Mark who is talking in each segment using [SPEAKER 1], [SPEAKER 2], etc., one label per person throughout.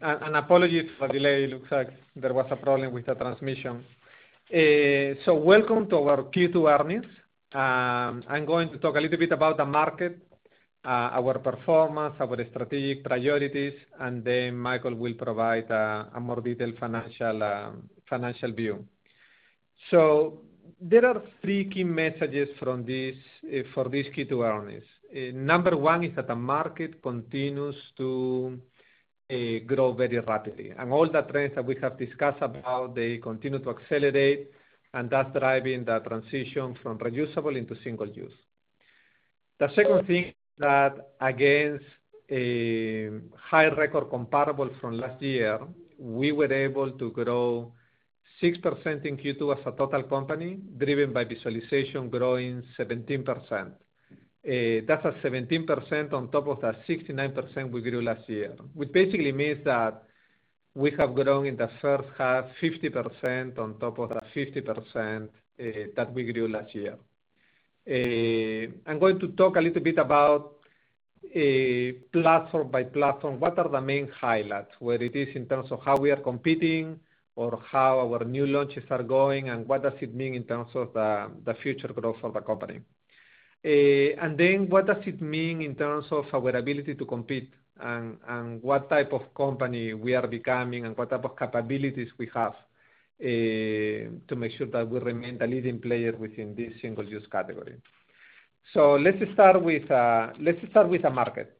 [SPEAKER 1] Apologies for the delay. It looks like there was a problem with the transmission. Welcome to our Q2 earnings. I'm going to talk a little bit about the market, our performance, our strategic priorities, and then Michael will provide a more detailed financial view. There are three key messages for this Q2 earnings. Number one is that the market continues to grow very rapidly. All the trends that we have discussed about, they continue to accelerate, and that's driving the transition from reusable into single-use. The second thing is that against high record comparable from last year, we were able to grow 6% in Q2 as a total company, driven by visualization growing 17%. That's a 17% on top of the 69% we grew last year, which basically means that we have grown in the first half 50% on top of the 50% that we grew last year. I'm going to talk a little bit about platform by platform. What are the main highlights, whether it is in terms of how we are competing or how our new launches are going, and what does it mean in terms of the future growth of the company. What does it mean in terms of our ability to compete and what type of company we are becoming and what type of capabilities we have to make sure that we remain the leading player within this single-use category. Let's start with the market.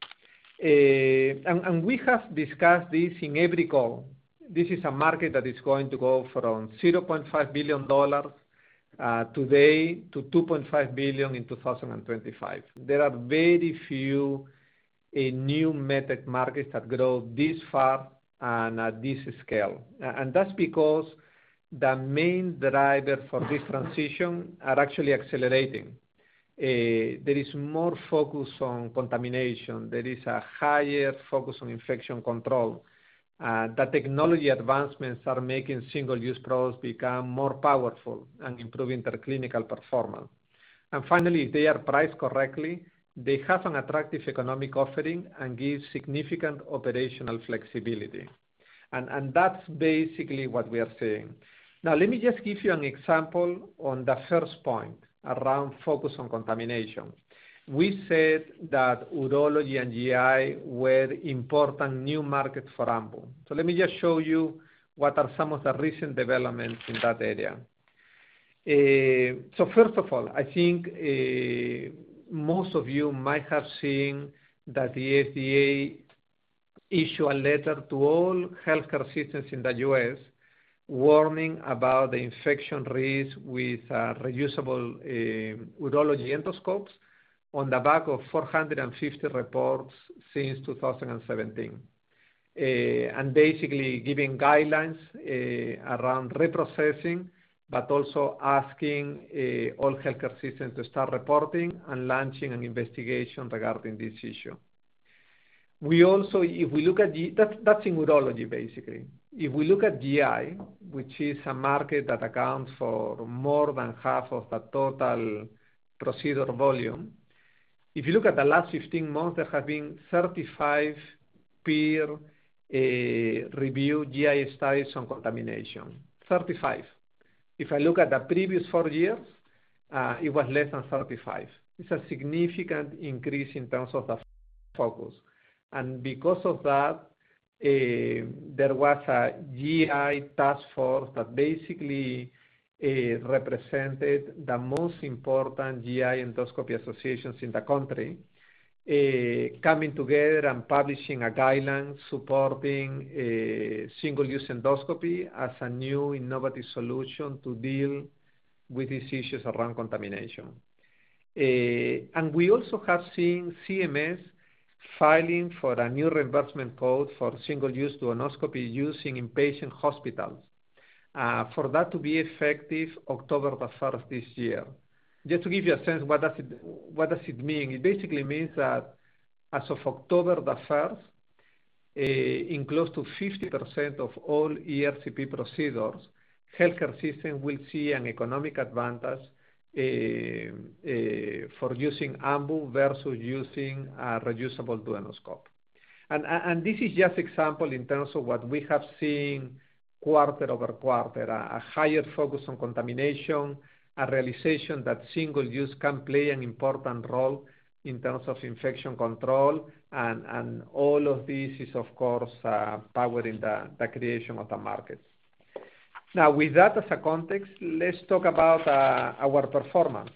[SPEAKER 1] We have discussed this in every call. This is a market that is going to go from $0.5 billion today to $2.5 billion in 2025. There are very few new MedTech markets that grow this fast and at this scale. That's because the main drivers for this transition are actually accelerating. There is more focus on contamination. There is a higher focus on infection control. The technology advancements are making single-use products become more powerful and improving their clinical performance. Finally, if they are priced correctly, they have an attractive economic offering and give significant operational flexibility. That's basically what we are seeing. Now, let me just give you an example on the first point around focus on contamination. We said that urology and GI were important new markets for Ambu. Let me just show you what are some of the recent developments in that area. First of all, I think most of you might have seen that the FDA issued a letter to all healthcare systems in the U.S. warning about the infection risk with reusable urology endoscopes on the back of 450 reports since 2017. Basically giving guidelines around reprocessing, but also asking all healthcare systems to start reporting and launching an investigation regarding this issue. That's in urology, basically. If we look at GI, which is a market that accounts for more than half of the total procedure volume. If you look at the last 15 months, there have been 35 peer-reviewed GI studies on contamination. 35. If I look at the previous four years, it was less than 35. It's a significant increase in terms of the focus. Because of that, there was a GI task force that basically represented the most important GI endoscopy associations in the country, coming together and publishing a guideline supporting single-use endoscopy as a new innovative solution to deal with these issues around contamination. We also have seen CMS filing for a new reimbursement code for single-use duodenoscopy use in inpatient hospitals. For that to be effective October the 1st this year. Just to give you a sense, what does it mean? It basically means that as of October the 1st, in close to 50% of all ERCP procedures, healthcare system will see an economic advantage for using Ambu versus using reusable duodenoscope. This is just example in terms of what we have seen quarter-over-quarter. A higher focus on contamination, a realization that single-use can play an important role in terms of infection control, all of this is, of course, powering the creation of the market. With that as a context, let's talk about our performance.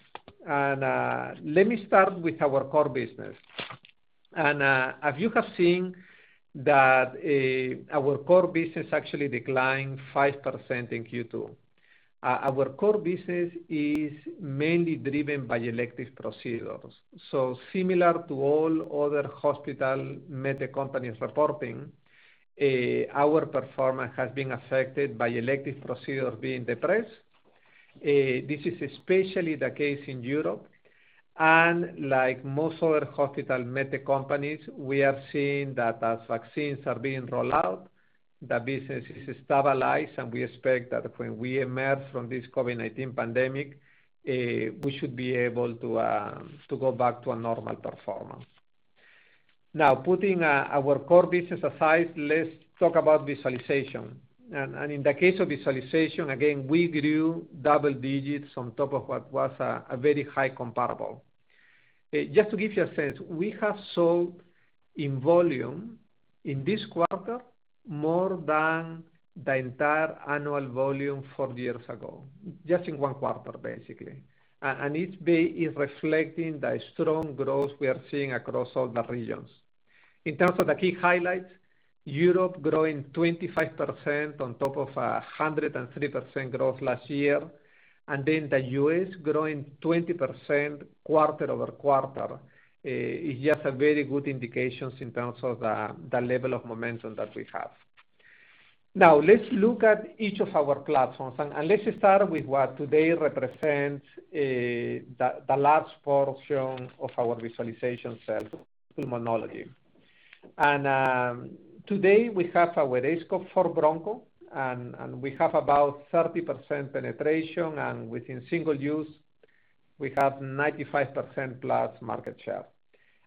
[SPEAKER 1] Let me start with our core business. As you have seen that our core business actually declined 5% in Q2. Our core business is mainly driven by elective procedures. Similar to all other hospital MedTech companies reporting, our performance has been affected by elective procedures being depressed. This is especially the case in Europe. Like most other hospital MedTech companies, we are seeing that as vaccines are being rolled out, the business is stabilized, and we expect that when we emerge from this COVID-19 pandemic, we should be able to go back to a normal performance. Now, putting our core business aside, let's talk about visualization. In the case of visualization, again, we grew double digits on top of what was a very high comparable. Just to give you a sense, we have sold in volume in this quarter, more than the entire annual volume four years ago, just in one quarter, basically. It is reflecting the strong growth we are seeing across all the regions. In terms of the key highlights, Europe growing 25% on top of 103% growth last year, then the U.S. growing 20% quarter-over-quarter is just a very good indication in terms of the level of momentum that we have. Let's look at each of our platforms, let's start with what today represents the largest portion of our visualization sales, pulmonology. Today, we have our aScope 4 Broncho, we have about 30% penetration, within single-use, we have 95%+ market share.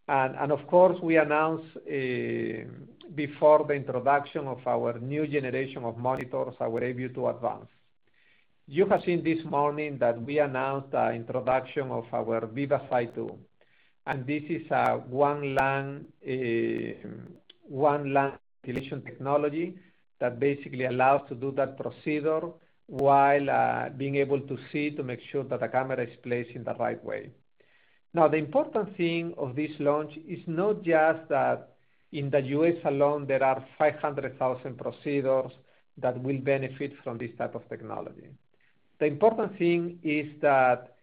[SPEAKER 1] Of course, we announced before the introduction of our new generation of monitors, our aView 2 Advance. You have seen this morning that we announced the introduction of our VivaSight 2, this is a one-lung ventilation that basically allows to do that procedure while being able to see to make sure that the camera is placed in the right way. Now, the important thing of this launch is not just that in the U.S. alone, there are 500,000 procedures that will benefit from this type of technology. The important thing is that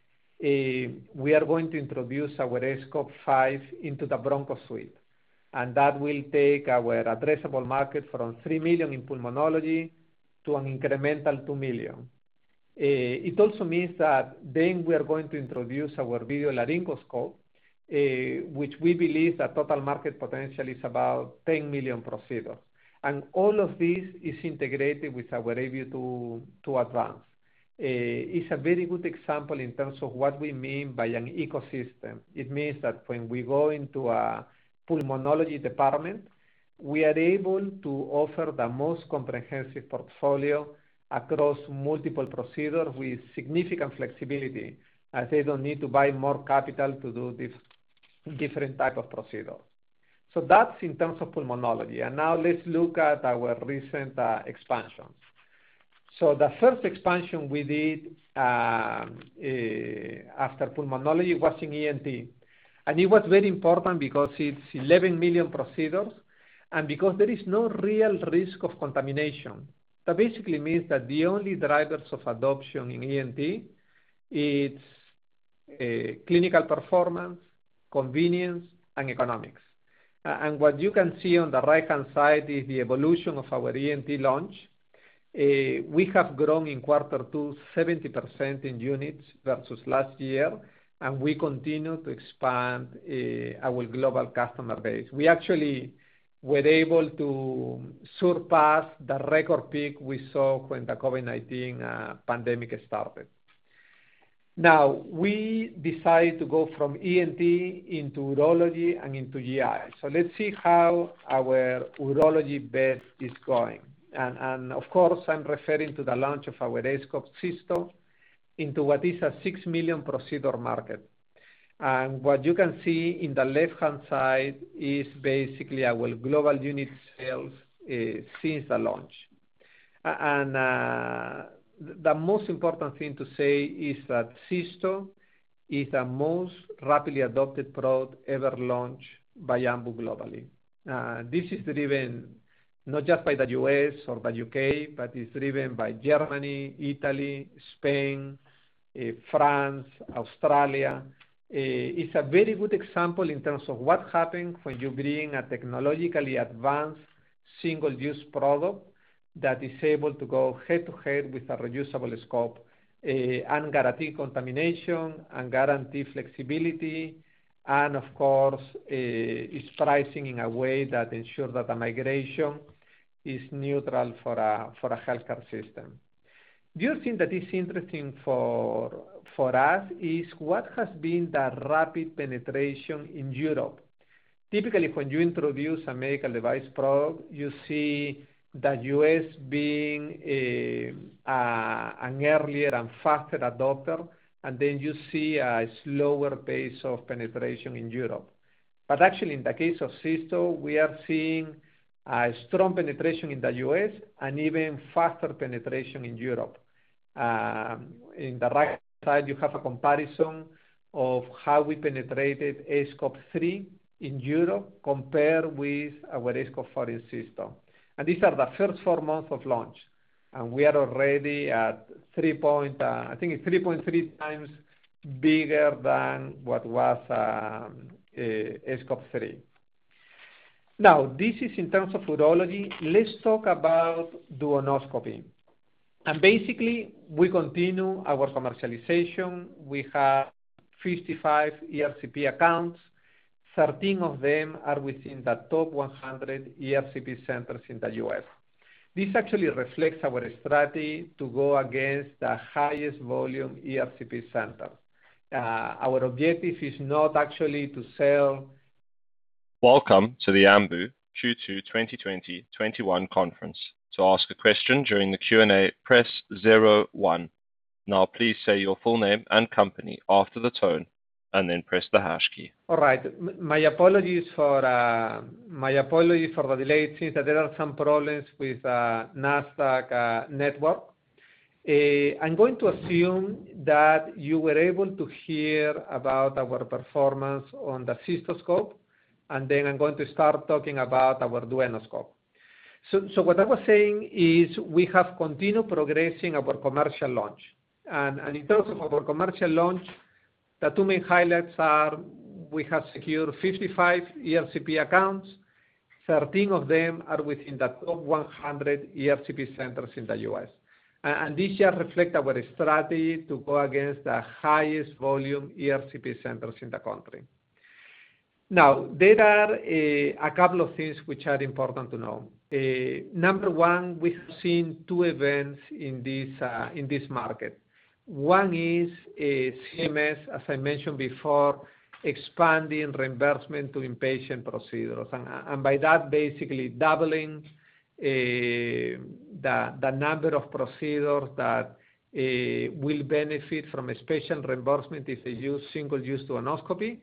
[SPEAKER 1] we are going to introduce our aScope 5 into the broncho suite, that will take our addressable market from 3 million in pulmonology to an incremental 2 million. It also means that we are going to introduce our video laryngoscope, which we believe the total market potential is about 10 million procedures. All of this is integrated with our aView 2 Advance. It's a very good example in terms of what we mean by an ecosystem. It means that when we go into a pulmonology department, we are able to offer the most comprehensive portfolio across multiple procedures with significant flexibility, as they don't need to buy more capital to do these different types of procedures. That's in terms of pulmonology. Now let's look at our recent expansions. The first expansion we did after pulmonology was in ENT. It was very important because it's 11 million procedures, and because there is no real risk of contamination. That basically means that the only drivers of adoption in ENT it's clinical performance, convenience, and economics. What you can see on the right-hand side is the evolution of our ENT launch. We have grown in quarter to 70% in units versus last year, and we continue to expand our global customer base. We actually were able to surpass the record peak we saw when the COVID-19 pandemic started. We decided to go from ENT into urology and into GI. Let's see how our urology bet is going. Of course, I'm referring to the launch of our aScope Cysto into what is a 6 million procedure market. What you can see on the left-hand side is basically our global unit sales since the launch. The most important thing to say is that Cysto is the most rapidly adopted product ever launched by Ambu globally. This is driven not just by the U.S. or by U.K., but it's driven by Germany, Italy, Spain, France, Australia. It's a very good example in terms of what happens when you bring a technologically advanced single-use product that is able to go head-to-head with a reusable scope and guarantee contamination and guarantee flexibility. Of course, it's pricing in a way that ensures that the migration is neutral for a healthcare system. The other thing that is interesting for us is what has been the rapid penetration in Europe. Typically, when you introduce a medical device product, you see the U.S. being an earlier and faster adopter, and then you see a slower pace of penetration in Europe. Actually, in the case of cysto, we are seeing a strong penetration in the U.S. and even faster penetration in Europe. In the right side, you have a comparison of how we penetrated aScope 3 in Europe compared with our aScope 4 Cysto. These are the first four months of launch. We are already at, I think, 3.3 times bigger than what was aScope 3. This is in terms of urology. Let's talk about duodenoscopy. Basically, we continue our commercialization. We have 55 ERCP accounts. 13 of them are within the top 100 ERCP centers in the U.S. This actually reflects our strategy to go against the highest volume ERCP center. Our objective is not actually to sell-
[SPEAKER 2] Welcome to the Ambu Q2 2020/2021 conference.
[SPEAKER 1] All right. My apologies for the delay since there are some problems with Nasdaq network. I'm going to assume that you were able to hear about our performance on the cystoscope, and then I'm going to start talking about our duodenoscope. What I was saying is we have continued progressing our commercial launch. In terms of our commercial launch, the two main highlights are we have secured 55 ERCP accounts, 13 of them are within the top 100 ERCP centers in the U.S. This year reflect our strategy to go against the highest volume ERCP centers in the country. There are a couple of things which are important to know. Number one, we have seen two events in this market. One is CMS, as I mentioned before, expanding reimbursement to inpatient procedures. By that, basically doubling the number of procedures that will benefit from a special reimbursement if they use single-use duodenoscopy,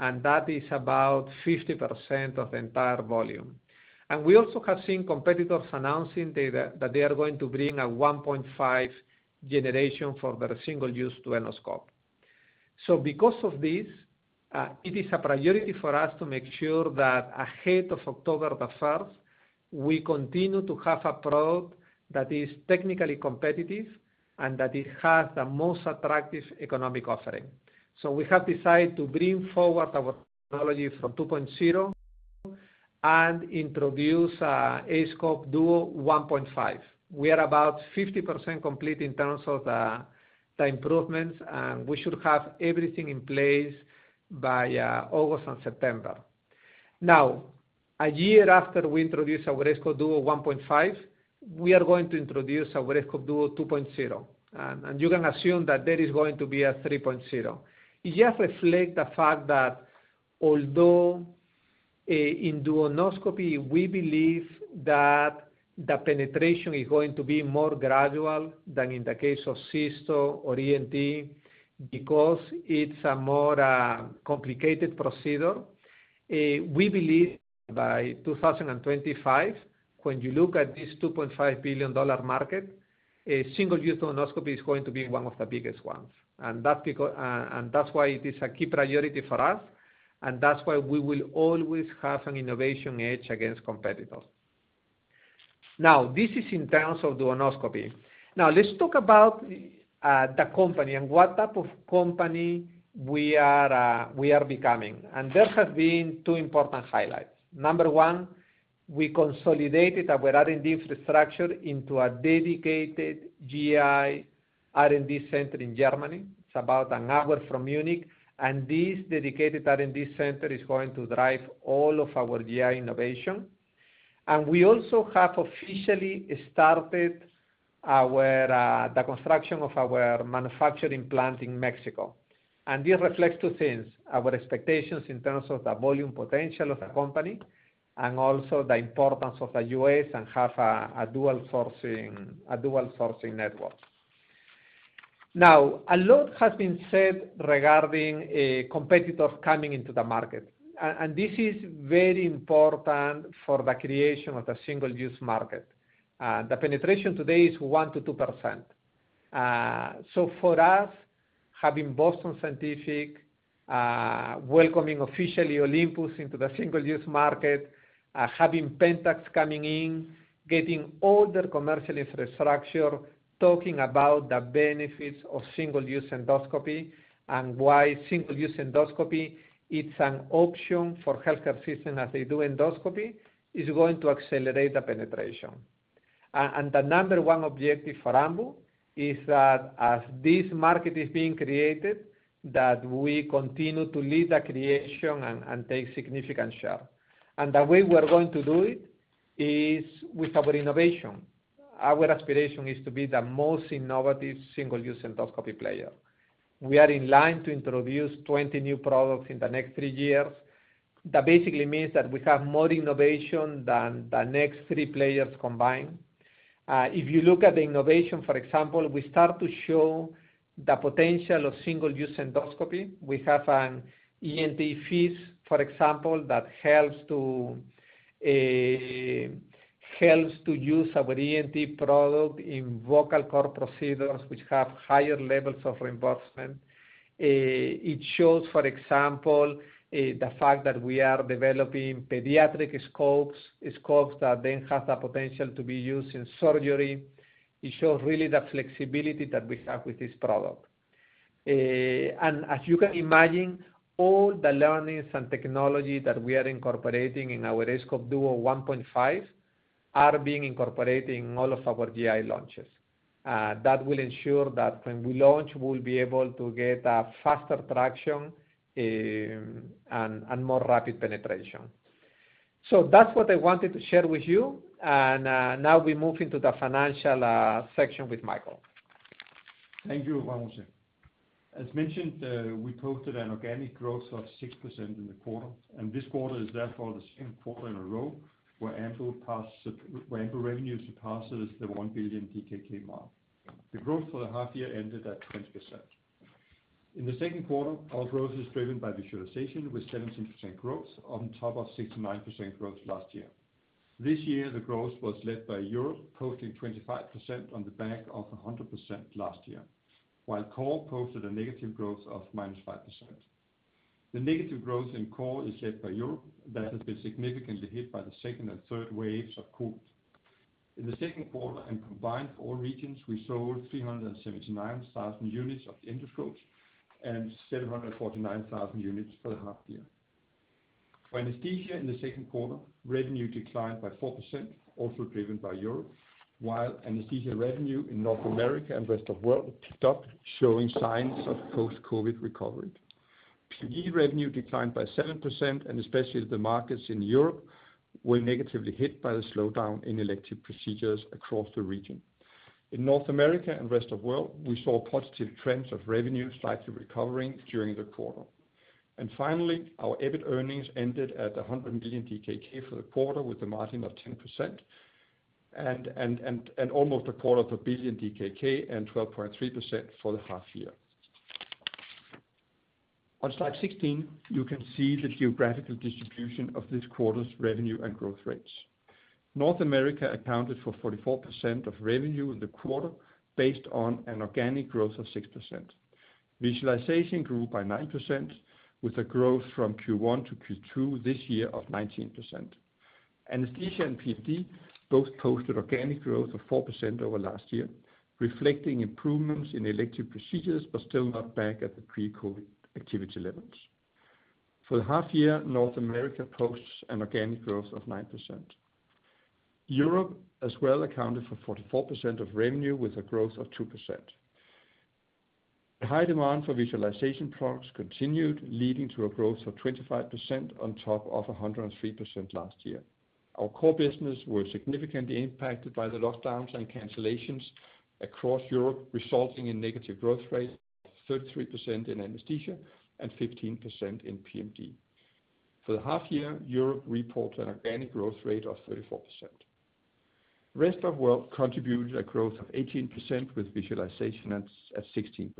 [SPEAKER 1] and that is about 50% of the entire volume. We also have seen competitors announcing data that they are going to bring a 1.5 generation for their single-use duodenoscope. Because of this, it is a priority for us to make sure that ahead of October the 1st, we continue to have a product that is technically competitive and that it has the most attractive economic offering. We have decided to bring forward our technology from 2.0 and introduce aScope Duo 1.5. We are about 50% complete in terms of the improvements, and we should have everything in place by August and September. A year after we introduce our aScope Duo 1.5, we are going to introduce our aScope Duo 2.0. You can assume that there is going to be a 3.0. It just reflects the fact that although in duodenoscopy, we believe that the penetration is going to be more gradual than in the case of cysto or ENT because it's a more complicated procedure. We believe by 2025, when you look at this $2.5 billion market, single-use duodenoscopy is going to be one of the biggest ones. That's why it is a key priority for us, and that's why we will always have an innovation edge against competitors. This is in terms of duodenoscopy. Let's talk about the company and what type of company we are becoming. There have been two important highlights. Number one, we consolidated our R&D infrastructure into a dedicated GI R&D center in Germany. It's about an hour from Munich, this dedicated R&D center is going to drive all of our GI innovation. We also have officially started the construction of our manufacturing plant in Mexico. This reflects two things: our expectations in terms of the volume potential of the company, and also the importance of the U.S. and have a dual sourcing network. Now, a lot has been said regarding competitors coming into the market. This is very important for the creation of the single-use market. The penetration today is 1%-2%. For us, having Boston Scientific, welcoming officially Olympus into the single-use market, having PENTAX coming in, getting all their commercial infrastructure, talking about the benefits of single-use endoscopy and why single-use endoscopy it's an option for healthcare system as they do endoscopy, is going to accelerate the penetration. The number one objective for Ambu is that as this market is being created, that we continue to lead the creation and take significant share. The way we are going to do it is with our innovation. Our aspiration is to be the most innovative single-use endoscopy player. We are in line to introduce 20 new products in the next three years. That basically means that we have more innovation than the next three players combined. If you look at the innovation, for example, we start to show the potential of single-use endoscopy. We have an ENT FEES, for example, that helps to use our ENT product in vocal cord procedures which have higher levels of reimbursement. It shows, for example, the fact that we are developing pediatric scopes that then have the potential to be used in surgery. It shows really the flexibility that we have with this product. As you can imagine, all the learnings and technology that we are incorporating in our aScope Duo 1.5 are being incorporated in all of our GI launches. That will ensure that when we launch, we'll be able to get a faster traction and more rapid penetration. That's what I wanted to share with you, and now we move into the financial section with Michael.
[SPEAKER 3] Thank you, Juan Jose. As mentioned, we posted an organic growth of 6% in the quarter, and this quarter is therefore the second quarter in a row where Ambu revenues surpasses the 1 billion DKK mark. The growth for the half year ended at 20%. In the second quarter, our growth is driven by visualization with 17% growth on top of 69% growth last year. This year, the growth was led by Europe, posting 25% on the back of 100% last year, while core posted a negative growth of -5%. The negative growth in core is led by Europe. That has been significantly hit by the second and third waves of COVID. In the second quarter and combined for all regions, we sold 379,000 units of endoscopes and 749,000 units for the half year. For anesthesia in the second quarter, revenue declined by 4%, also driven by Europe, while anesthesia revenue in North America and rest of world picked up, showing signs of post-COVID recovery. GI revenue declined by 7%. Especially the markets in Europe were negatively hit by the slowdown in elective procedures across the region. In North America and rest of world, we saw positive trends of revenue slightly recovering during the quarter. Finally, our EBIT earnings ended at DKK 100 million for the quarter, with a margin of 10% and almost a DKK 0.25 billion And 12.3% for the half year. On slide 16, you can see the geographical distribution of this quarter's revenue and growth rates. North America accounted for 44% of revenue in the quarter, based on an organic growth of 6%. Visualization grew by 9%, with a growth from Q1 to Q2 this year of 19%. Anesthesia and PMD both posted organic growth of 4% over last year, reflecting improvements in elective procedures, but still not back at the pre-COVID activity levels. For the half year, North America posts an organic growth of 9%. Europe as well accounted for 44% of revenue, with a growth of 2%. The high demand for visualization products continued, leading to a growth of 25% on top of 103% last year. Our core business was significantly impacted by the lockdowns and cancellations across Europe, resulting in negative growth rates of 33% in anesthesia and 15% in PMD. For the half year, Europe reports an organic growth rate of 34%. Rest of world contributed a growth of 18%, with visualization at 16%.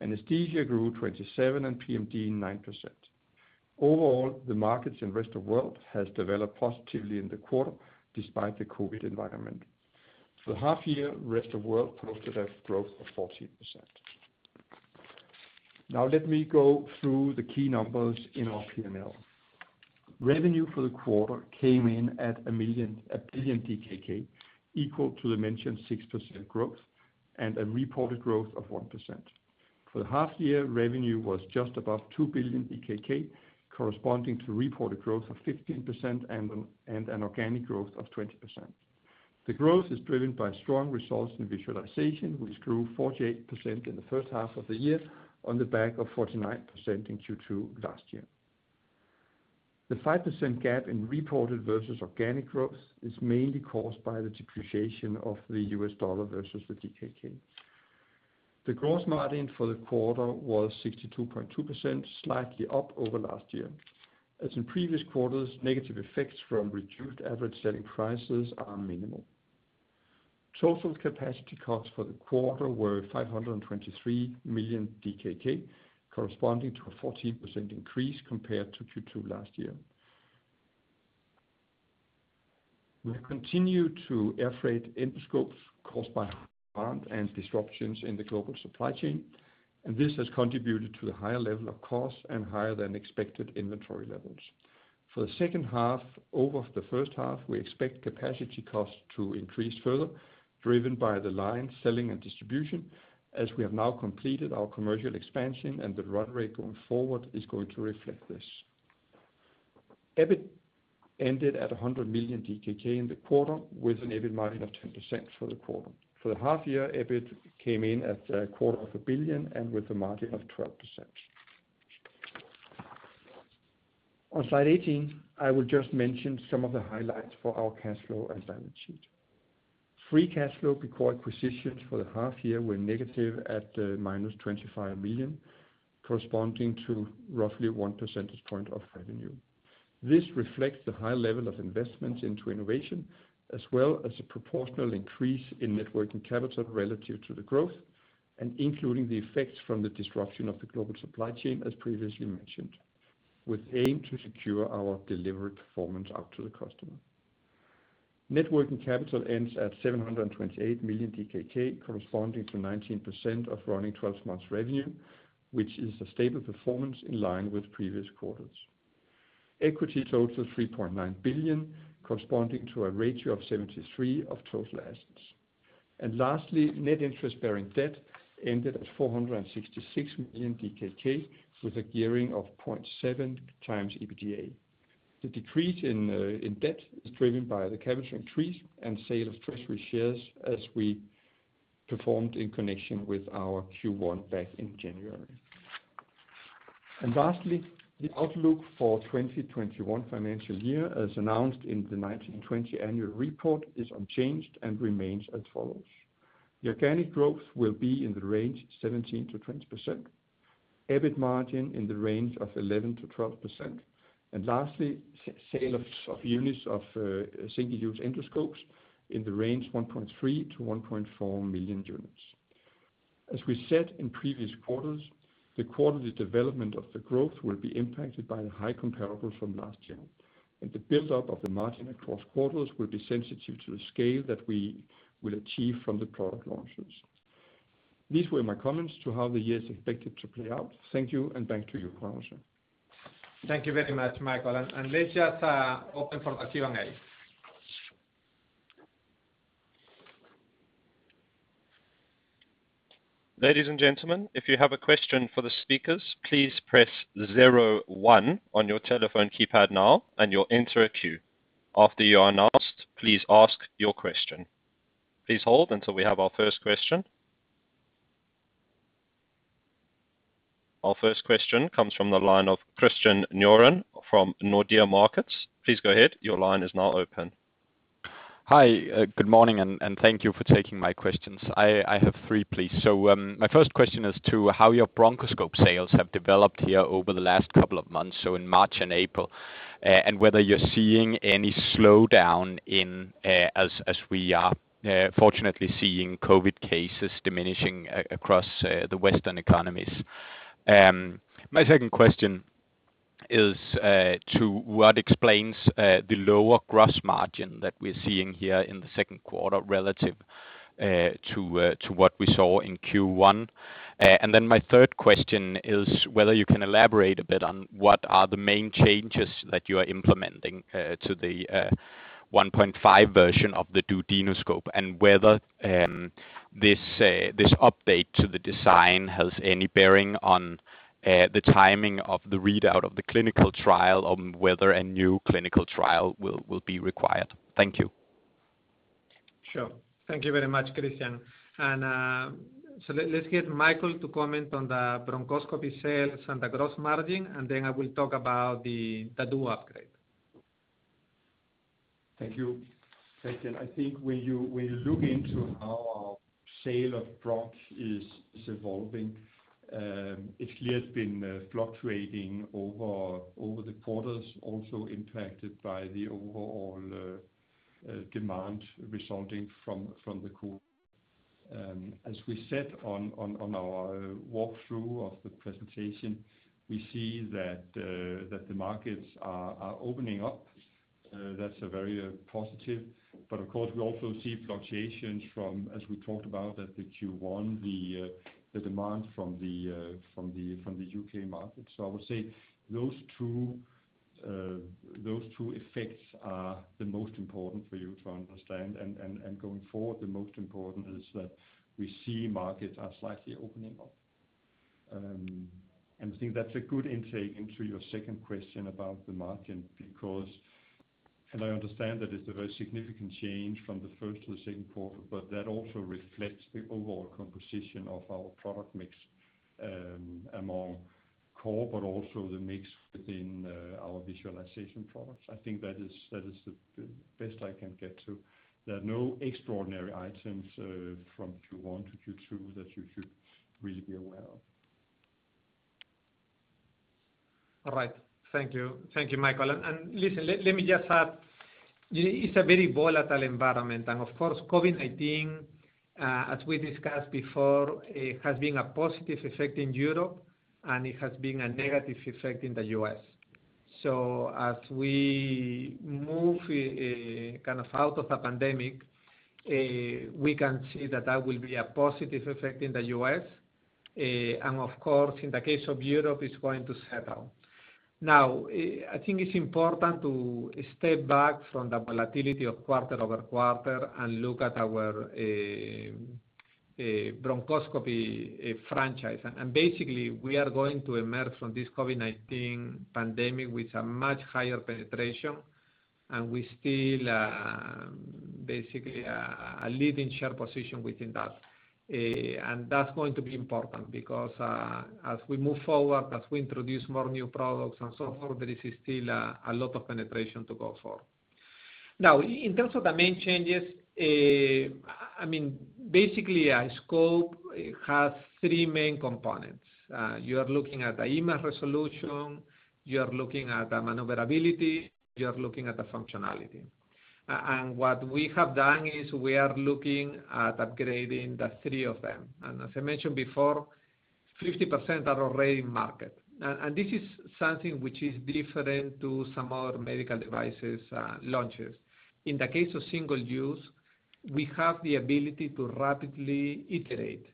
[SPEAKER 3] Anesthesia grew 27% and PMD 9%. Overall, the markets in rest of world has developed positively in the quarter, despite the COVID environment. For the half year, rest of world posted a growth of 14%. Now let me go through the key numbers in our P&L. Revenue for the quarter came in at 1 billion DKK, equal to the mentioned 6% growth and a reported growth of 1%. For the half year, revenue was just above 2 billion, corresponding to reported growth of 15% and an organic growth of 20%. The growth is driven by strong results in visualization, which grew 48% in the first half of the year on the back of 49% in Q2 last year. The 5% gap in reported versus organic growth is mainly caused by the depreciation of the U.S. dollar versus the DKK. The gross margin for the quarter was 62.2%, slightly up over last year. As in previous quarters, negative effects from reduced average selling prices are minimal. Total capacity costs for the quarter were DKK 523 million, corresponding to a 14% increase compared to Q2 last year. We have continued to air freight endoscopes caused by high demand and disruptions in the global supply chain, and this has contributed to the higher level of costs and higher than expected inventory levels. For the second half, over the first half, we expect capacity costs to increase further, driven by the line, selling, and distribution, as we have now completed our commercial expansion and the run rate going forward is going to reflect this. EBIT ended at 100 million DKK in the quarter, with an EBIT margin of 10% for the quarter. For the half year, EBIT came in at a quarter of a billion and with a margin of 12%. On slide 18, I will just mention some of the highlights for our cash flow and balance sheet. Free cash flow before acquisitions for the half year were negative at -25 million, corresponding to roughly one percentage point of revenue. This reflects the high level of investment into innovation, as well as a proportional increase in net working capital relative to the growth and including the effects from the disruption of the global supply chain, as previously mentioned, with aim to secure our delivery performance out to the customer. Net working capital ends at DKK 728 million, corresponding to 19% of running 12 months revenue, which is a stable performance in line with previous quarters. Equity total 3.9 billion, corresponding to a ratio of 73% of total assets. Lastly, net interest-bearing debt ended at DKK 466 million with a gearing of 0.7x EBITDA. The decrease in debt is driven by the capital increase and sale of treasury shares as we performed in connection with our Q1 back in January. Lastly, the outlook for 2021 financial year, as announced in the 2019/2020 annual report, is unchanged and remains as follows. The organic growth will be in the range 17%-20%. EBIT margin in the range of 11%-12%. Lastly, sale of units of single-use endoscopes in the range 1.3 million-1.4 million units. As we said in previous quarters, the quarterly development of the growth will be impacted by the high comparables from last year, and the build-up of the margin across quarters will be sensitive to the scale that we will achieve from the product launches. These were my comments to how the year is expected to play out. Thank you, and back to you, Juan Jose.
[SPEAKER 1] Thank you very much, Michael. Let's just open for Q&A.
[SPEAKER 2] Our first question comes from the line of Christian [Nioron] from Nordea Markets. Please go ahead.
[SPEAKER 4] Hi. Good morning, and thank you for taking my questions. I have three, please. My first question is to how your bronchoscope sales have developed here over the last couple of months, so in March and April, and whether you're seeing any slowdown as we are fortunately seeing COVID cases diminishing across the Western economies. My second question is to what explains the lower gross margin that we're seeing here in the second quarter relative to what we saw in Q1. My third question is whether you can elaborate a bit on what are the main changes that you are implementing to the 1.5 version of the duodenoscope and whether this update to the design has any bearing on the timing of the readout of the clinical trial, or whether a new clinical trial will be required. Thank you.
[SPEAKER 1] Sure. Thank you very much, Christian. Let's get Michael to comment on the bronchoscopy sales and the gross margin, and then I will talk about the Duo upgrade.
[SPEAKER 3] Thank you. Christian, I think when you look into how our sale of bronch is evolving, it clearly has been fluctuating over the quarters, also impacted by the overall demand resulting from the COVID. As we said on our walkthrough of the presentation, we see that the markets are opening up. That's very positive. Of course, we also see fluctuations from, as we talked about at the Q1, the demand from the U.K. market. I would say those two effects are the most important for you to understand. Going forward, the most important is that we see markets are slightly opening up. I think that's a good intake into your second question about the margin because, and I understand that it's a very significant change from the first to the second quarter, but that also reflects the overall composition of our product mix among core, but also the mix within our visualization products. I think that is the best I can get to. There are no extraordinary items from Q1 to Q2 that you should really be aware of.
[SPEAKER 1] All right. Thank you. Thank you, Michael. Listen, let me just add, it's a very volatile environment. Of course, COVID-19, as we discussed before, has been a positive effect in Europe, and it has been a negative effect in the U.S. As we move kind of out of the pandemic, we can see that that will be a positive effect in the U.S. Of course, in the case of Europe, it's going to settle. Now, I think it's important to step back from the volatility of quarter-over-quarter and look at our bronchoscopy franchise. Basically, we are going to emerge from this COVID-19 pandemic with a much higher penetration, and we still basically are leading share position within that. That's going to be important because as we move forward, as we introduce more new products and so forth, there is still a lot of penetration to go for. In terms of the main changes, basically aScope has three main components. You are looking at the image resolution, you are looking at the maneuverability, you are looking at the functionality. What we have done is we are looking at upgrading the three of them. As I mentioned before, 50% are already in market. This is something which is different to some other medical devices launches. In the case of single use, we have the ability to rapidly iterate,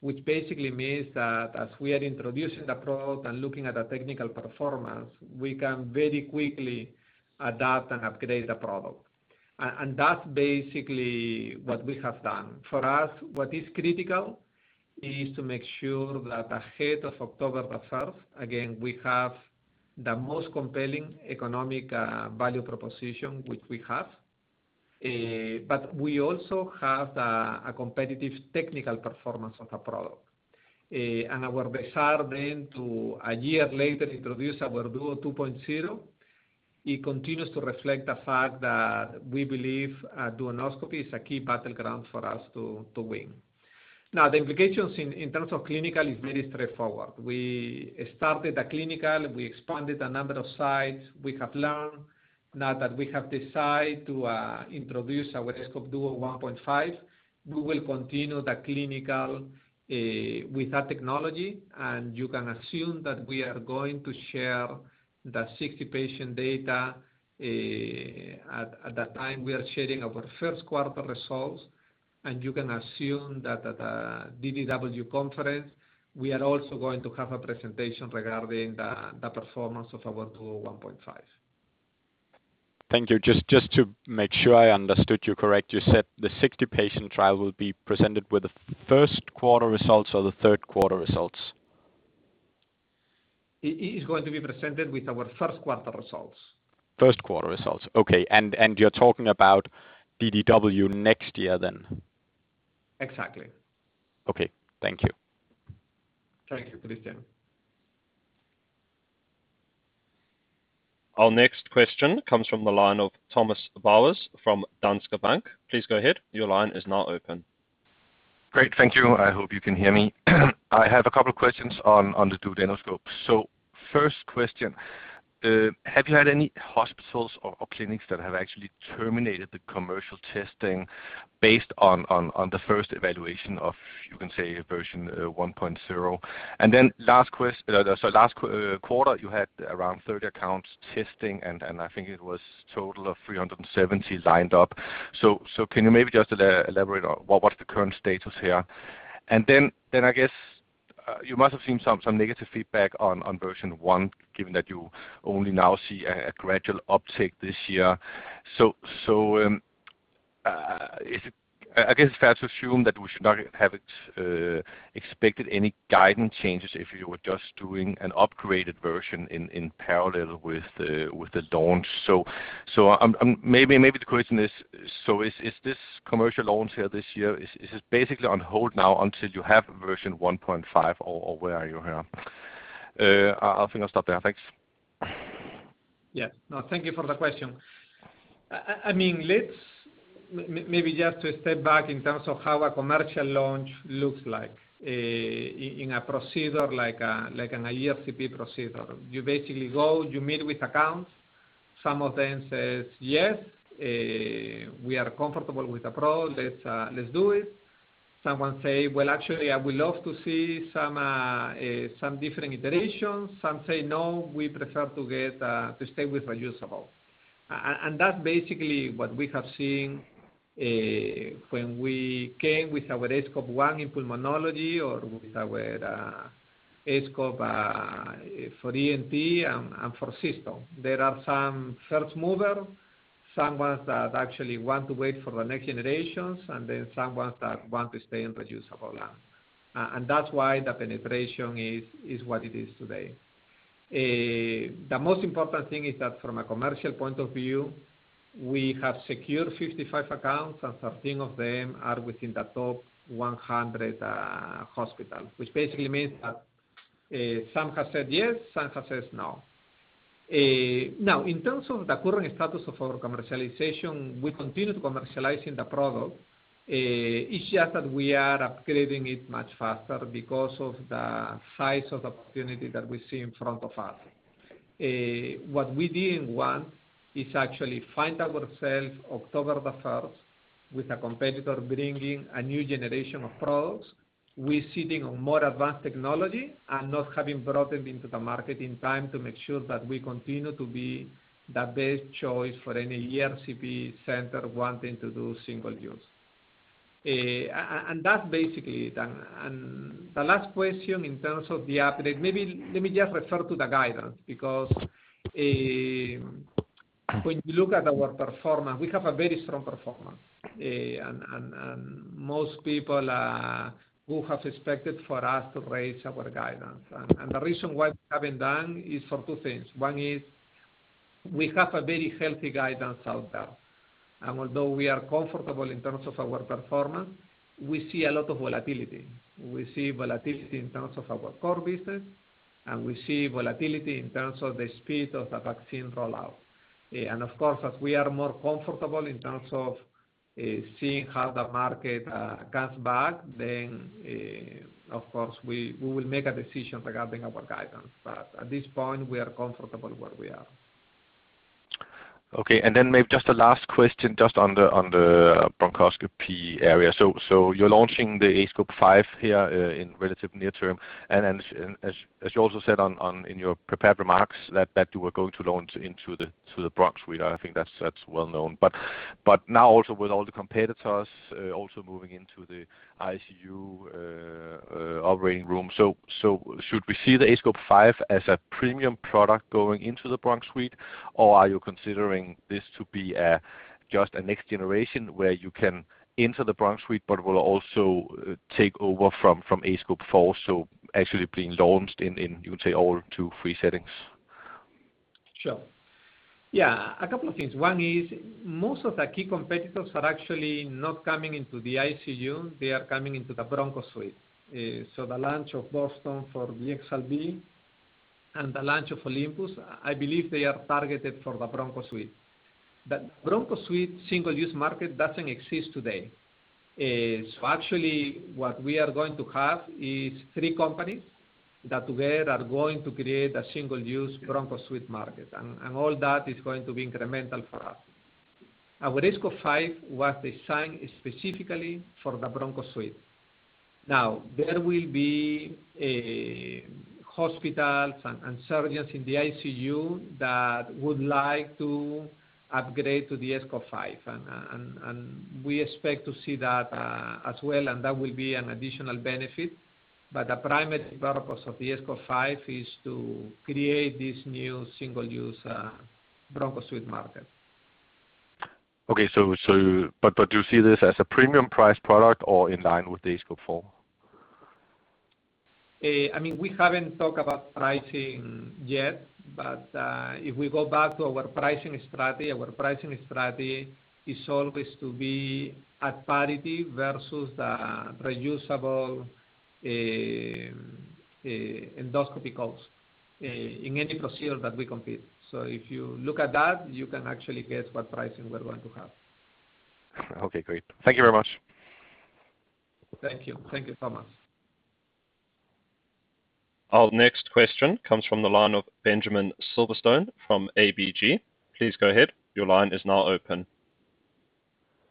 [SPEAKER 1] which basically means that as we are introducing the product and looking at the technical performance, we can very quickly adapt and upgrade the product. That's basically what we have done. For us, what is critical is to make sure that ahead of October 1st, again, we have the most compelling economic value proposition which we have. We also have a competitive technical performance of the product. Our desire then to, a year later, introduce our Duo 2.0. It continues to reflect the fact that we believe duodenoscopy is a key battleground for us to win. The implications in terms of clinical is very straightforward. We started the clinical, we expanded a number of sites. We have learned now that we have decided to introduce our aScope Duo 1.5. We will continue the clinical with that technology, and you can assume that we are going to share the 60-patient data at the time we are sharing our first quarter results. You can assume that at the DDW conference, we are also going to have a presentation regarding the performance of our Duo 1.5.
[SPEAKER 4] Thank you. Just to make sure I understood you correctly, you said the 60-patient trial will be presented with the first quarter results or the third quarter results?
[SPEAKER 1] It is going to be presented with our first quarter results.
[SPEAKER 4] First quarter results. Okay. You're talking about DDW next year then?
[SPEAKER 1] Exactly.
[SPEAKER 4] Okay. Thank you.
[SPEAKER 1] Thank you for listening.
[SPEAKER 2] Our next question comes from the line of Thomas Bowers from Danske Bank.
[SPEAKER 5] Great. Thank you. I hope you can hear me. I have a couple questions on the duodenoscope. First question, have you had any hospitals or clinics that have actually terminated the commercial testing based on the first evaluation of, you can say version 1.0? Last quarter, you had around 30 accounts testing, and I think it was total of 370 lined up. Can you maybe just elaborate on what the current status here? Then, I guess, you must have seen some negative feedback on version 1, given that you only now see a gradual uptake this year. I guess it's fair to assume that we should not have expected any guidance changes if you were just doing an upgraded version in parallel with the launch. Maybe the question is, so is this commercial launch here this year, is this basically on hold now until you have version 1.5, or where are you here? I think I will stop there. Thanks.
[SPEAKER 1] Yeah. No, thank you for the question. Let's maybe just to step back in terms of how a commercial launch looks like in a procedure like an ERCP procedure. You basically go, you meet with accounts. Some of them says, "Yes, we are comfortable with the product. Let's do it." Someone say, "Well, actually, I would love to see some different iterations." Some say, "No, we prefer to stay with reusable." That's basically what we have seen when we came with our aScope 1 in pulmonology or with our aScope for ENT and for cysto. There are some first mover, some ones that actually want to wait for the next generations, then some ones that want to stay in reusable land. That's why the penetration is what it is today. The most important thing is that from a commercial point of view, we have secured 55 accounts, and 13 of them are within the top 100 hospital, which basically means that some have said yes, some have said no. In terms of the current status of our commercialization, we continue to commercializing the product. It's just that we are upgrading it much faster because of the size of the opportunity that we see in front of us. What we didn't want is actually find ourselves October the 1st with a competitor bringing a new generation of products. We're sitting on more advanced technology and not having brought them into the market in time to make sure that we continue to be the best choice for any ERCP center wanting to do single use. That's basically it. The last question in terms of the update, maybe let me just refer to the guidance, because when you look at our performance, we have a very strong performance. Most people who have expected for us to raise our guidance. The reason why we haven't done is for two things. One is we have a very healthy guidance out there. Although we are comfortable in terms of our performance, we see a lot of volatility. We see volatility in terms of our core business, and we see volatility in terms of the speed of the vaccine rollout. Of course, as we are more comfortable in terms of seeing how the market comes back, then of course, we will make a decision regarding our guidance. At this point, we are comfortable where we are.
[SPEAKER 5] Okay, maybe just a last question just on the bronchoscopy area. You're launching the aScope 5 here in relative near term, and as you also said in your prepared remarks that you were going to launch into the broncho suite. I think that's well known. Now also with all the competitors also moving into the ICU operating room. Should we see the aScope 5 as a premium product going into the broncho suite, or are you considering this to be just a next generation where you can enter the broncho suite but will also take over from aScope 4, actually being launched in, you can say all two, three settings?
[SPEAKER 1] Sure. Yeah, a couple of things. One is most of the key competitors are actually not coming into the ICU, they are coming into the broncho suite. The launch of Boston for the EXALT B and the launch of Olympus, I believe they are targeted for the broncho suite. The broncho suite single-use market doesn't exist today. Actually what we are going to have is three companies that together are going to create a single-use broncho suite market, and all that is going to be incremental for us. Our aScope 5 was designed specifically for the broncho suite. Now, there will be hospitals and surgeons in the ICU that would like to upgrade to the aScope 5, and we expect to see that as well, and that will be an additional benefit. The primary purpose of the aScope 5 is to create this new single-use broncho suite market.
[SPEAKER 5] Okay. Do you see this as a premium price product or in line with the aScope 4?
[SPEAKER 1] We haven't talked about pricing yet. If we go back to our pricing strategy, our pricing strategy is always to be at parity versus the reusable endoscopy cost in any procedure that we complete. If you look at that, you can actually guess what pricing we're going to have.
[SPEAKER 5] Okay, great. Thank you very much.
[SPEAKER 1] Thank you. Thank you, Thomas.
[SPEAKER 2] Our next question comes from the line of Benjamin Silverstone from ABG. Please go ahead. Your line is now open.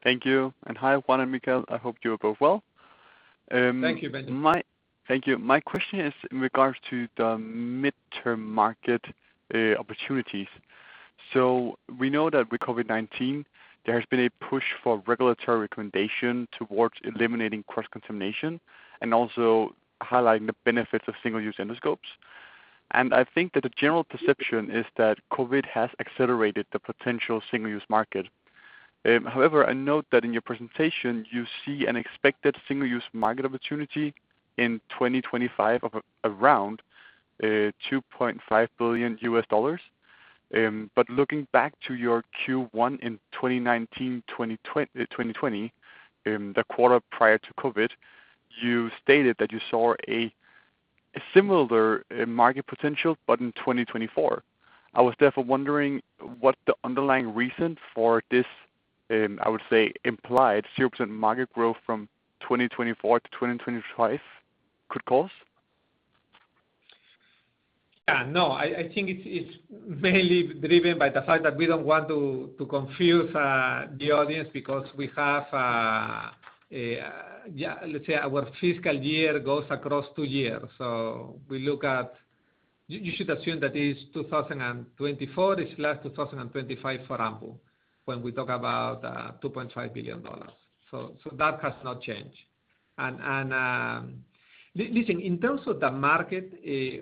[SPEAKER 6] Thank you. Hi, Juan and Michael. I hope you are both well.
[SPEAKER 1] Thank you, Benjamin.
[SPEAKER 6] Thank you. My question is in regards to the mid-term market opportunities. We know that with COVID-19, there has been a push for regulatory recommendation towards eliminating cross-contamination and also highlighting the benefits of single-use endoscopes. I think that the general perception is that COVID has accelerated the potential single-use market. However, I note that in your presentation, you see an expected single-use market opportunity in 2025 of around $2.5 billion. Looking back to your Q1 in 2019, 2020, the quarter prior to COVID, you stated that you saw a similar market potential, but in 2024. I was therefore wondering what the underlying reason for this, I would say implied 0% market growth from 2024 to 2025 could cause.
[SPEAKER 1] No, I think it's mainly driven by the fact that we don't want to confuse the audience because we have Let's say our fiscal year goes across two years. You should assume that is 2024, is less 2025 for Ambu, when we talk about $2.5 billion. That has not changed. Listen, in terms of the market,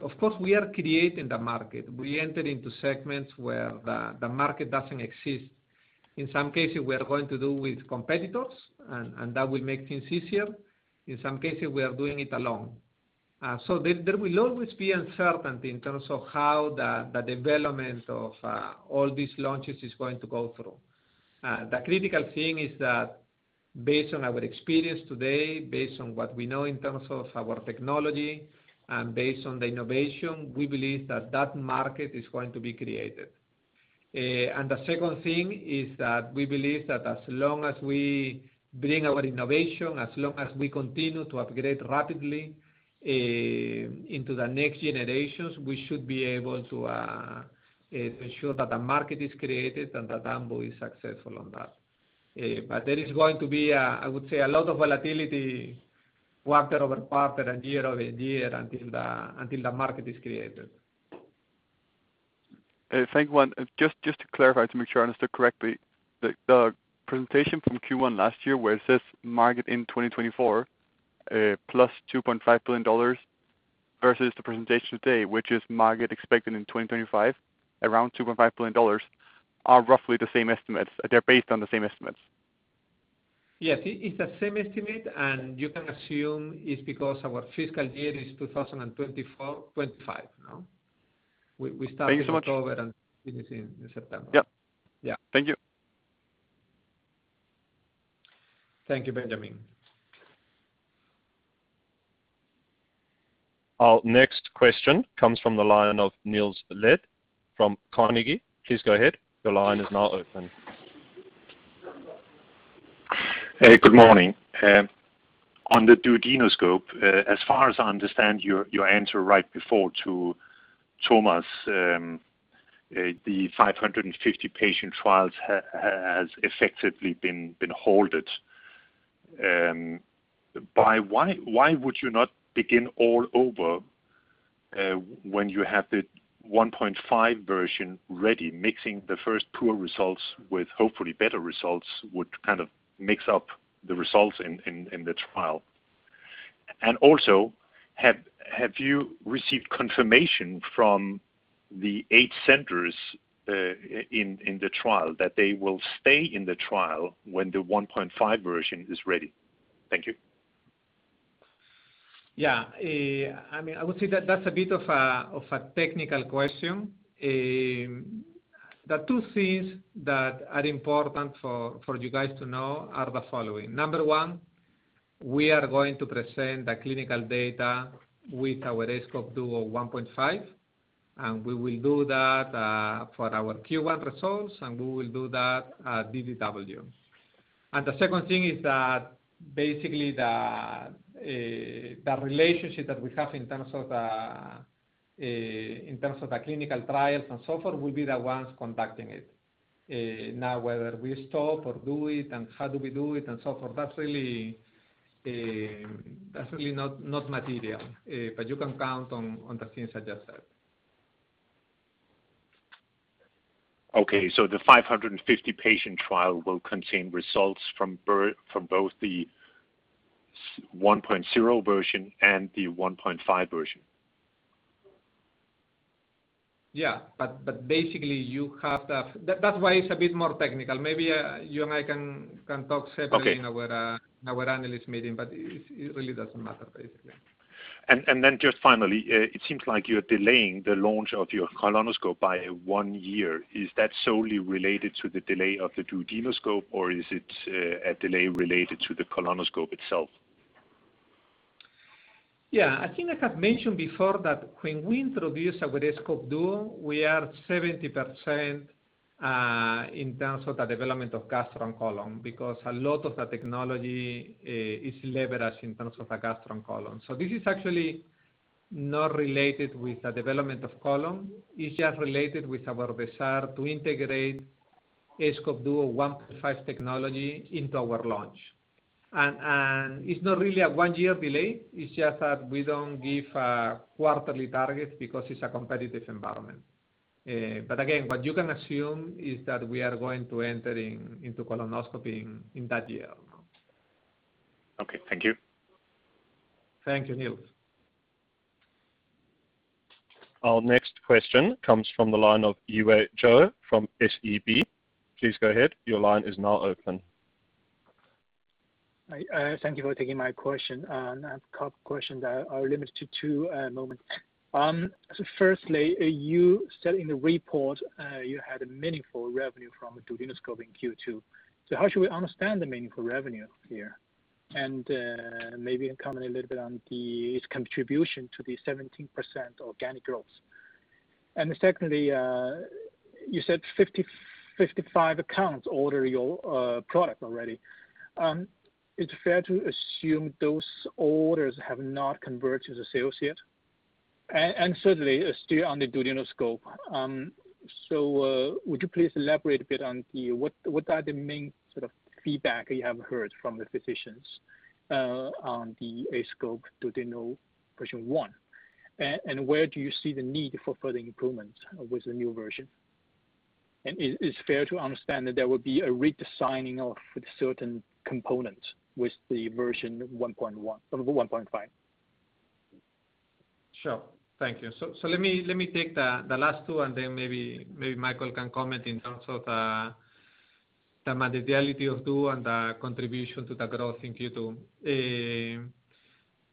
[SPEAKER 1] of course, we are creating the market. We entered into segments where the market doesn't exist. In some cases, we are going to do with competitors, and that will make things easier. In some cases, we are doing it alone. There will always be uncertainty in terms of how the development of all these launches is going to go through. The critical thing is that based on our experience today, based on what we know in terms of our technology, and based on the innovation, we believe that that market is going to be created. The second thing is that we believe that as long as we bring our innovation, as long as we continue to upgrade rapidly into the next generations, we should be able to ensure that the market is created and that Ambu is successful on that. There is going to be, I would say, a lot of volatility quarter-over-quarter and year-over-year until the market is created.
[SPEAKER 6] Thanks, Juan. Just to clarify, to make sure I understood correctly. The presentation from Q1 last year where it says market in 2024 plus $2.5 billion versus the presentation today, which is market expected in 2025 around $2.5 billion, are roughly the same estimates. They are based on the same estimates.
[SPEAKER 1] Yes, it's the same estimate, and you can assume it's because our fiscal year is 2025 now.
[SPEAKER 6] Thank you so much.
[SPEAKER 1] In October and finish in September.
[SPEAKER 6] Yep.
[SPEAKER 1] Yeah.
[SPEAKER 6] Thank you.
[SPEAKER 1] Thank you, Benjamin.
[SPEAKER 2] Our next question comes from the line of Niels Leth from Carnegie. Please go ahead. Your line is now open.
[SPEAKER 7] Hey, good morning. On the duodenoscope, as far as I understand your answer right before to Thomas, the 550 patient trials has effectively been halted. Why would you not begin all over when you have the 1.5 version ready? Mixing the first pool results with hopefully better results would kind of mix up the results in the trial. Also, have you received confirmation from the eight centers in the trial that they will stay in the trial when the 1.5 version is ready? Thank you.
[SPEAKER 1] Yeah. I would say that's a bit of a technical question. The two things that are important for you guys to know are the following. Number one, we are going to present the clinical data with our aScope Duo 1.5, and we will do that for our Q1 results, and we will do that at DDW. The second thing is that basically, the relationship that we have in terms of the clinical trials and so forth will be the ones conducting it. Now, whether we stop or do it and how do we do it and so forth, that's really not material. You can count on the things I just said.
[SPEAKER 7] Okay. The 550-patient trial will contain results from both the 1.0 version and the 1.5 version?
[SPEAKER 1] Yeah. Basically, that's why it's a bit more technical. Maybe you and I can talk separately-
[SPEAKER 7] Okay.
[SPEAKER 1] In our analyst meeting, but it really doesn't matter, basically.
[SPEAKER 7] Just finally, it seems like you're delaying the launch of your colonoscope by one year. Is that solely related to the delay of the duodenoscope, or is it a delay related to the colonoscope itself?
[SPEAKER 1] Yeah. I think I have mentioned before that when we introduce our aScope Duo, we are 70% in terms of the development of gastro and colon, because a lot of the technology is leveraged in terms of the gastro and colon. This is actually not related with the development of colon. It's just related with our desire to integrate aScope Duo 1.5 technology into our launch. It's not really a one-year delay. It's just that we don't give quarterly targets because it's a competitive environment. Again, what you can assume is that we are going to enter into colonoscopy in that year.
[SPEAKER 7] Okay. Thank you.
[SPEAKER 1] Thank you, Niels.
[SPEAKER 2] Our next question comes from the line of Yiwei Zhou from SEB. Please go ahead. Your line is now open.
[SPEAKER 8] Hi. Thank you for taking my question. A couple questions. I'll limit it to two at the moment. Firstly, you said in the report you had a meaningful revenue from the duodenoscope in Q2. How should we understand the meaningful revenue here? Maybe comment a little bit on its contribution to the 17% organic growth. Secondly, you said 55 accounts order your product already. Is it fair to assume those orders have not converted to sales yet? Certainly still on the duodenoscope. Would you please elaborate a bit on what are the main sort of feedback you have heard from the physicians on the aScope Duodeno version 1, and where do you see the need for further improvements with the new version? Is it fair to understand that there will be a redesigning of certain components with the version 1.5?
[SPEAKER 1] Sure. Thank you. Let me take the last two, and then maybe Michael can comment in terms of the materiality of duo and the contribution to the growth in Q2.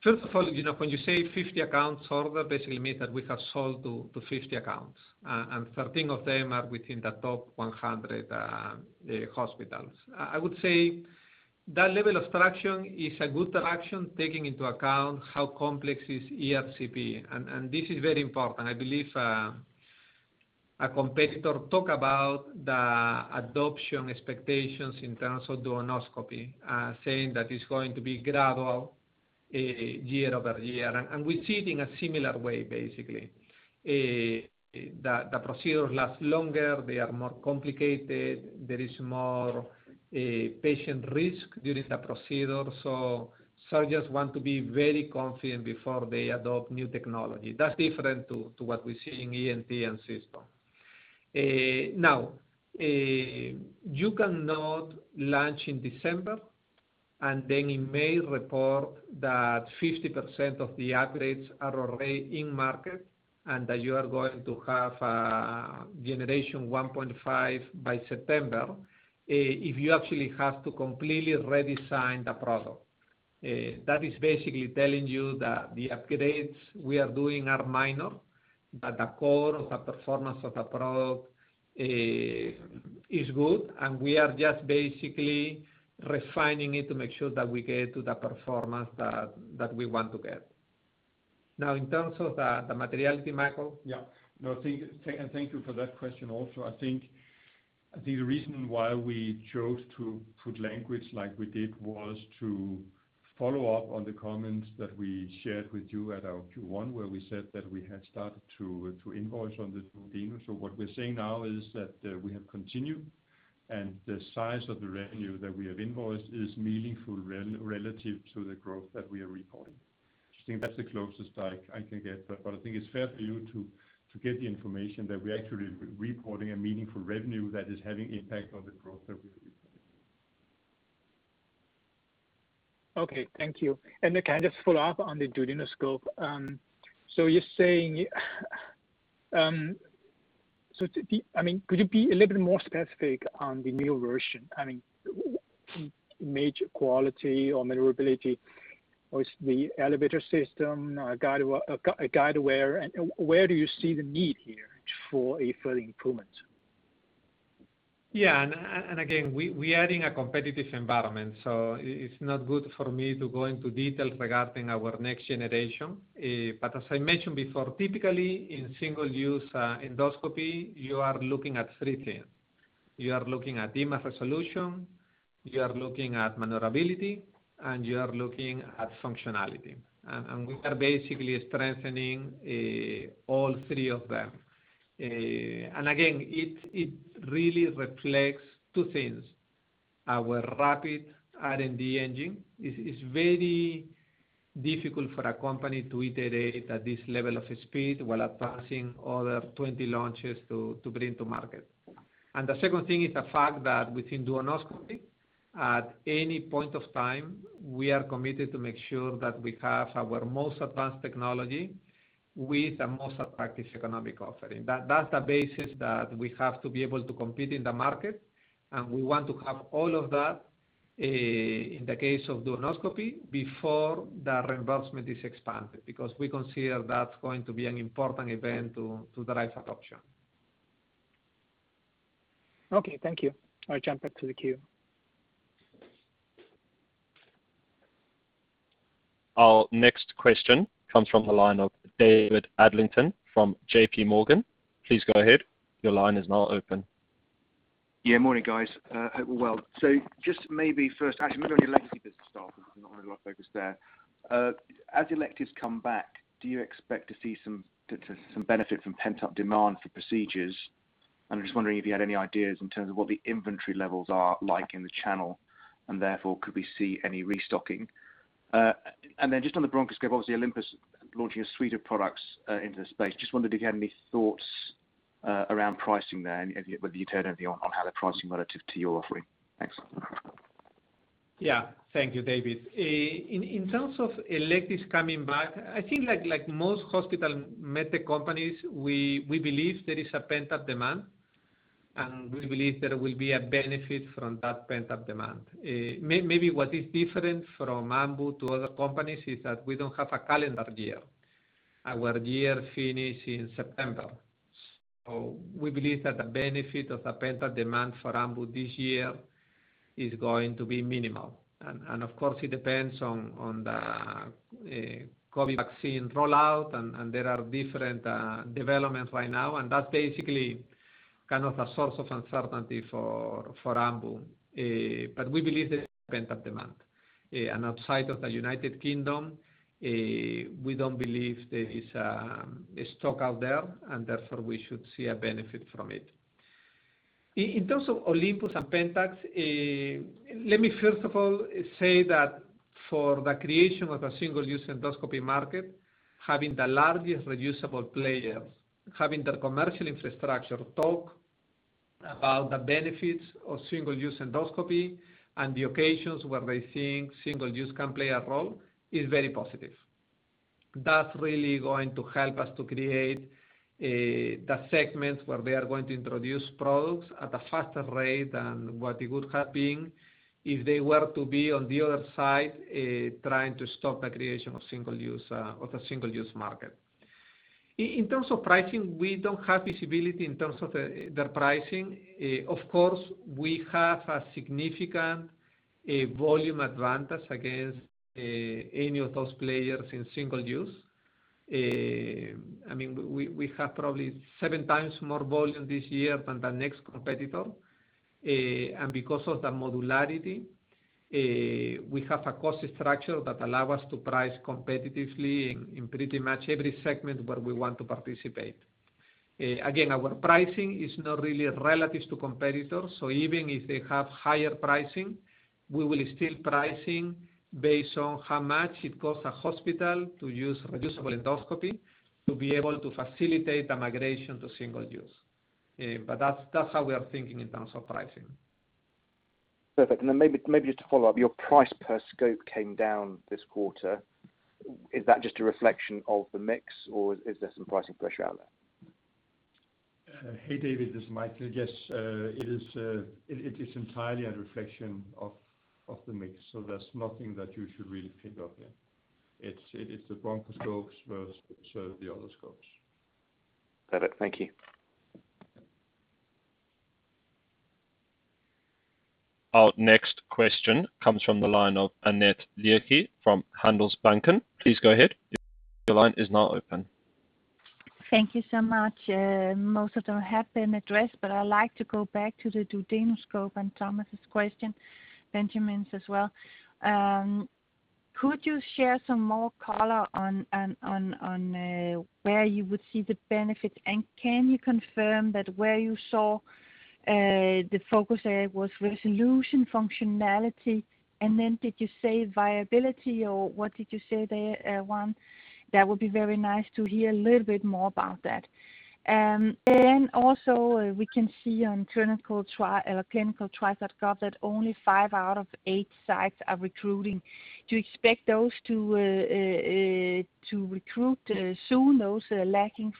[SPEAKER 1] First of all, when you say 50 accounts order, basically means that we have sold to 50 accounts, and 13 of them are within the top 100 hospitals. I would say that level of traction is a good traction, taking into account how complex is ERCP, and this is very important. I believe a competitor talk about the adoption expectations in terms of duodenoscopy, saying that it's going to be gradual year-over-year. We see it in a similar way, basically. The procedures last longer, they are more complicated. There is more patient risk during the procedure. Surgeons want to be very confident before they adopt new technology. That's different to what we see in ENT and cysto. You cannot launch in December and then in May report that 50% of the upgrades are already in market and that you are going to have a generation 1.5 by September if you actually have to completely redesign the product. That is basically telling you that the upgrades we are doing are minor, but the core of the performance of the product is good, and we are just basically refining it to make sure that we get to the performance that we want to get. In terms of the materiality, Michael?
[SPEAKER 3] Yeah. No, thank you for that question also. I think the reason why we chose to put language like we did was to follow up on the comments that we shared with you at our Q1, where we said that we had started to invoice on the duodenoscope. What we're saying now is that we have continued, and the size of the revenue that we have invoiced is meaningful relative to the growth that we are reporting. I think that's the closest I can get. I think it's fair for you to get the information that we're actually reporting a meaningful revenue that is having impact on the growth that we are reporting.
[SPEAKER 8] Okay. Thank you. Can I just follow up on the duodenoscope? Could you be a little bit more specific on the new version? Image quality or maneuverability? Is the elevator system a guide? Where do you see the need here for a further improvement?
[SPEAKER 1] Yeah, again, we are in a competitive environment, so it's not good for me to go into details regarding our next generation. As I mentioned before, typically in single-use endoscopy, you are looking at three things. You are looking at image resolution, you are looking at maneuverability, and you are looking at functionality. We are basically strengthening all three of them. Again, it really reflects two things. Our rapid R&D engine. It is very difficult for a company to iterate at this level of speed while advancing other 20 launches to bring to market. The second thing is the fact that within duodenoscopy, at any point of time, we are committed to make sure that we have our most advanced technology with the most attractive economic offering. That's the basis that we have to be able to compete in the market, and we want to have all of that, in the case of duodenoscopy, before the reimbursement is expanded, because we consider that's going to be an important event to drive adoption.
[SPEAKER 8] Okay. Thank you. I'll jump back to the queue.
[SPEAKER 2] Our next question comes from the line of David Adlington from JPMorgan. Please go ahead. Your line is now open.
[SPEAKER 9] Yeah. Morning, guys. Hope you're well. Just maybe first, actually, maybe on the legacy business start, because there's not a lot of focus there. As electives come back, do you expect to see some benefit from pent-up demand for procedures? I'm just wondering if you had any ideas in terms of what the inventory levels are like in the channel, and therefore could we see any restocking? Just on the bronchoscope, obviously Olympus launching a suite of products into the space. Just wondered if you had any thoughts around pricing there, and whether you had anything on how they're pricing relative to your offering. Thanks.
[SPEAKER 1] Yeah. Thank you, David. In terms of electives coming back, I think like most hospital MedTech companies, we believe there is a pent-up demand, and we believe there will be a benefit from that pent-up demand. Maybe what is different from Ambu to other companies is that we don't have a calendar year. Our year finishes in September. We believe that the benefit of the pent-up demand for Ambu this year is going to be minimal. Of course, it depends on the COVID vaccine rollout, and there are different developments right now, and that's basically kind of a source of uncertainty for Ambu. We believe there is pent-up demand. Outside of the United Kingdom, we don't believe there is stock out there, and therefore we should see a benefit from it. In terms of Olympus and PENTAX, let me first of all say that for the creation of a single-use endoscopy market, having the largest reusable players, having their commercial infrastructure talk about the benefits of single-use endoscopy and the occasions where they think single-use can play a role, is very positive. That is really going to help us to create the segments where they are going to introduce products at a faster rate than what it would have been if they were to be on the other side, trying to stop the creation of a single-use market. In terms of pricing, we do not have visibility in terms of their pricing. Of course, we have a significant volume advantage against any of those players in single-use. We have probably seven times more volume this year than the next competitor. Because of the modularity, we have a cost structure that allow us to price competitively in pretty much every segment where we want to participate. Again, our pricing is not really relative to competitors, so even if they have higher pricing, we will still pricing based on how much it costs a hospital to use reusable endoscopy to be able to facilitate the migration to single-use. That's how we are thinking in terms of pricing.
[SPEAKER 9] Perfect. Maybe just to follow up, your price per scope came down this quarter. Is that just a reflection of the mix, or is there some pricing pressure out there?
[SPEAKER 3] Hey, David, this is Michael. Yes, it is entirely a reflection of the mix. There's nothing that you should really pick up there. It is the bronchoscopes versus the other scopes.
[SPEAKER 9] Got it. Thank you.
[SPEAKER 2] Our next question comes from the line of Annette Lykke from Handelsbanken. Please go ahead. Your line is now open.
[SPEAKER 10] Thank you so much. Most of them have been addressed, but I'd like to go back to the duodenoscope and Thomas' question, Benjamin's as well. Could you share some more color on where you would see the benefits, and can you confirm that where you saw the focus area was resolution, functionality, and then did you say viability, or what did you say there, Juan? That would be very nice to hear a little bit more about that. Also, we can see on clinicaltrials.gov that only five out of eight sites are recruiting. Do you expect those to recruit soon, those lacking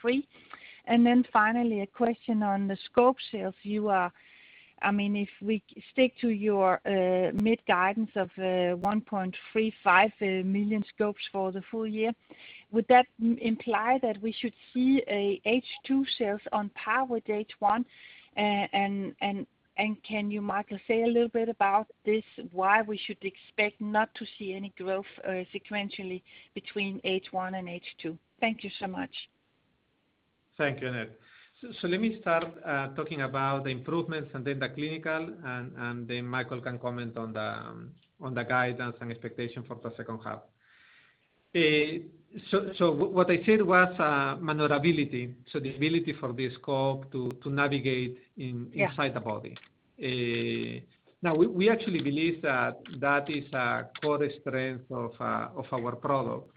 [SPEAKER 10] three? Finally, a question on the scope sales. If we stick to your mid-guidance of 1.35 million scopes for the full year, would that imply that we should see H2 sales on par with H1? Can you, Michael, say a little bit about this, why we should expect not to see any growth sequentially between H1 and H2? Thank you so much.
[SPEAKER 1] Thank you, Annette. Let me start talking about the improvements and then the clinical, and then Michael can comment on the guidance and expectation for the second half. What I said was maneuverability, so the ability for the scope to navigate inside the body.
[SPEAKER 10] Yeah.
[SPEAKER 1] We actually believe that is a core strength of our product.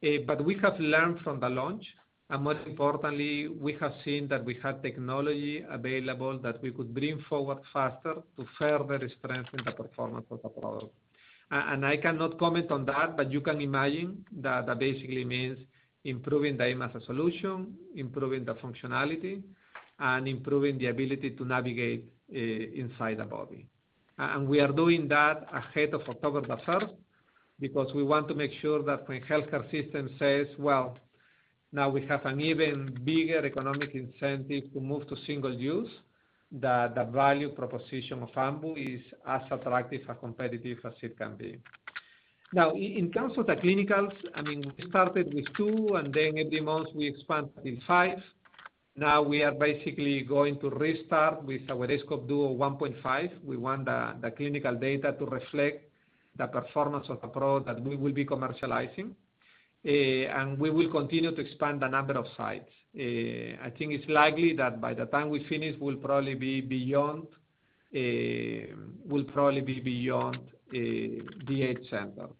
[SPEAKER 1] We have learned from the launch, and most importantly, we have seen that we have technology available that we could bring forward faster to further strengthen the performance of the product. I cannot comment on that, but you can imagine that basically means improving the image resolution, improving the functionality, and improving the ability to navigate inside the body. We are doing that ahead of October the 1st, because we want to make sure that when healthcare system says, "Well, now we have an even bigger economic incentive to move to single use," that the value proposition of Ambu is as attractive and competitive as it can be. In terms of the clinicals, we started with two, and then in the months we expanded to five. We are basically going to restart with our aScope Duo 1.5. We want the clinical data to reflect the performance of the product that we will be commercializing. We will continue to expand the number of sites. I think it's likely that by the time we finish, we'll probably be beyond the eight centers.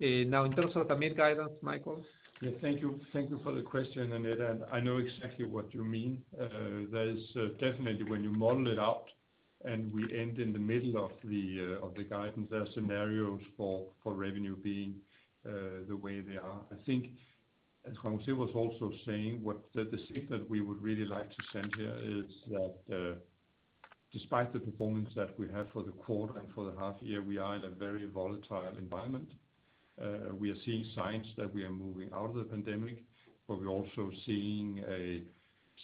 [SPEAKER 1] In terms of the mid-guidance, Michael?
[SPEAKER 3] Yes. Thank you for the question, Annette. I know exactly what you mean. There is definitely, when you model it out and we end in the middle of the guidance, there are scenarios for revenue being the way they are. I think as Jose was also saying, the signal we would really like to send here is that despite the performance that we have for the quarter and for the half year, we are in a very volatile environment. We are seeing signs that we are moving out of the pandemic, but we're also seeing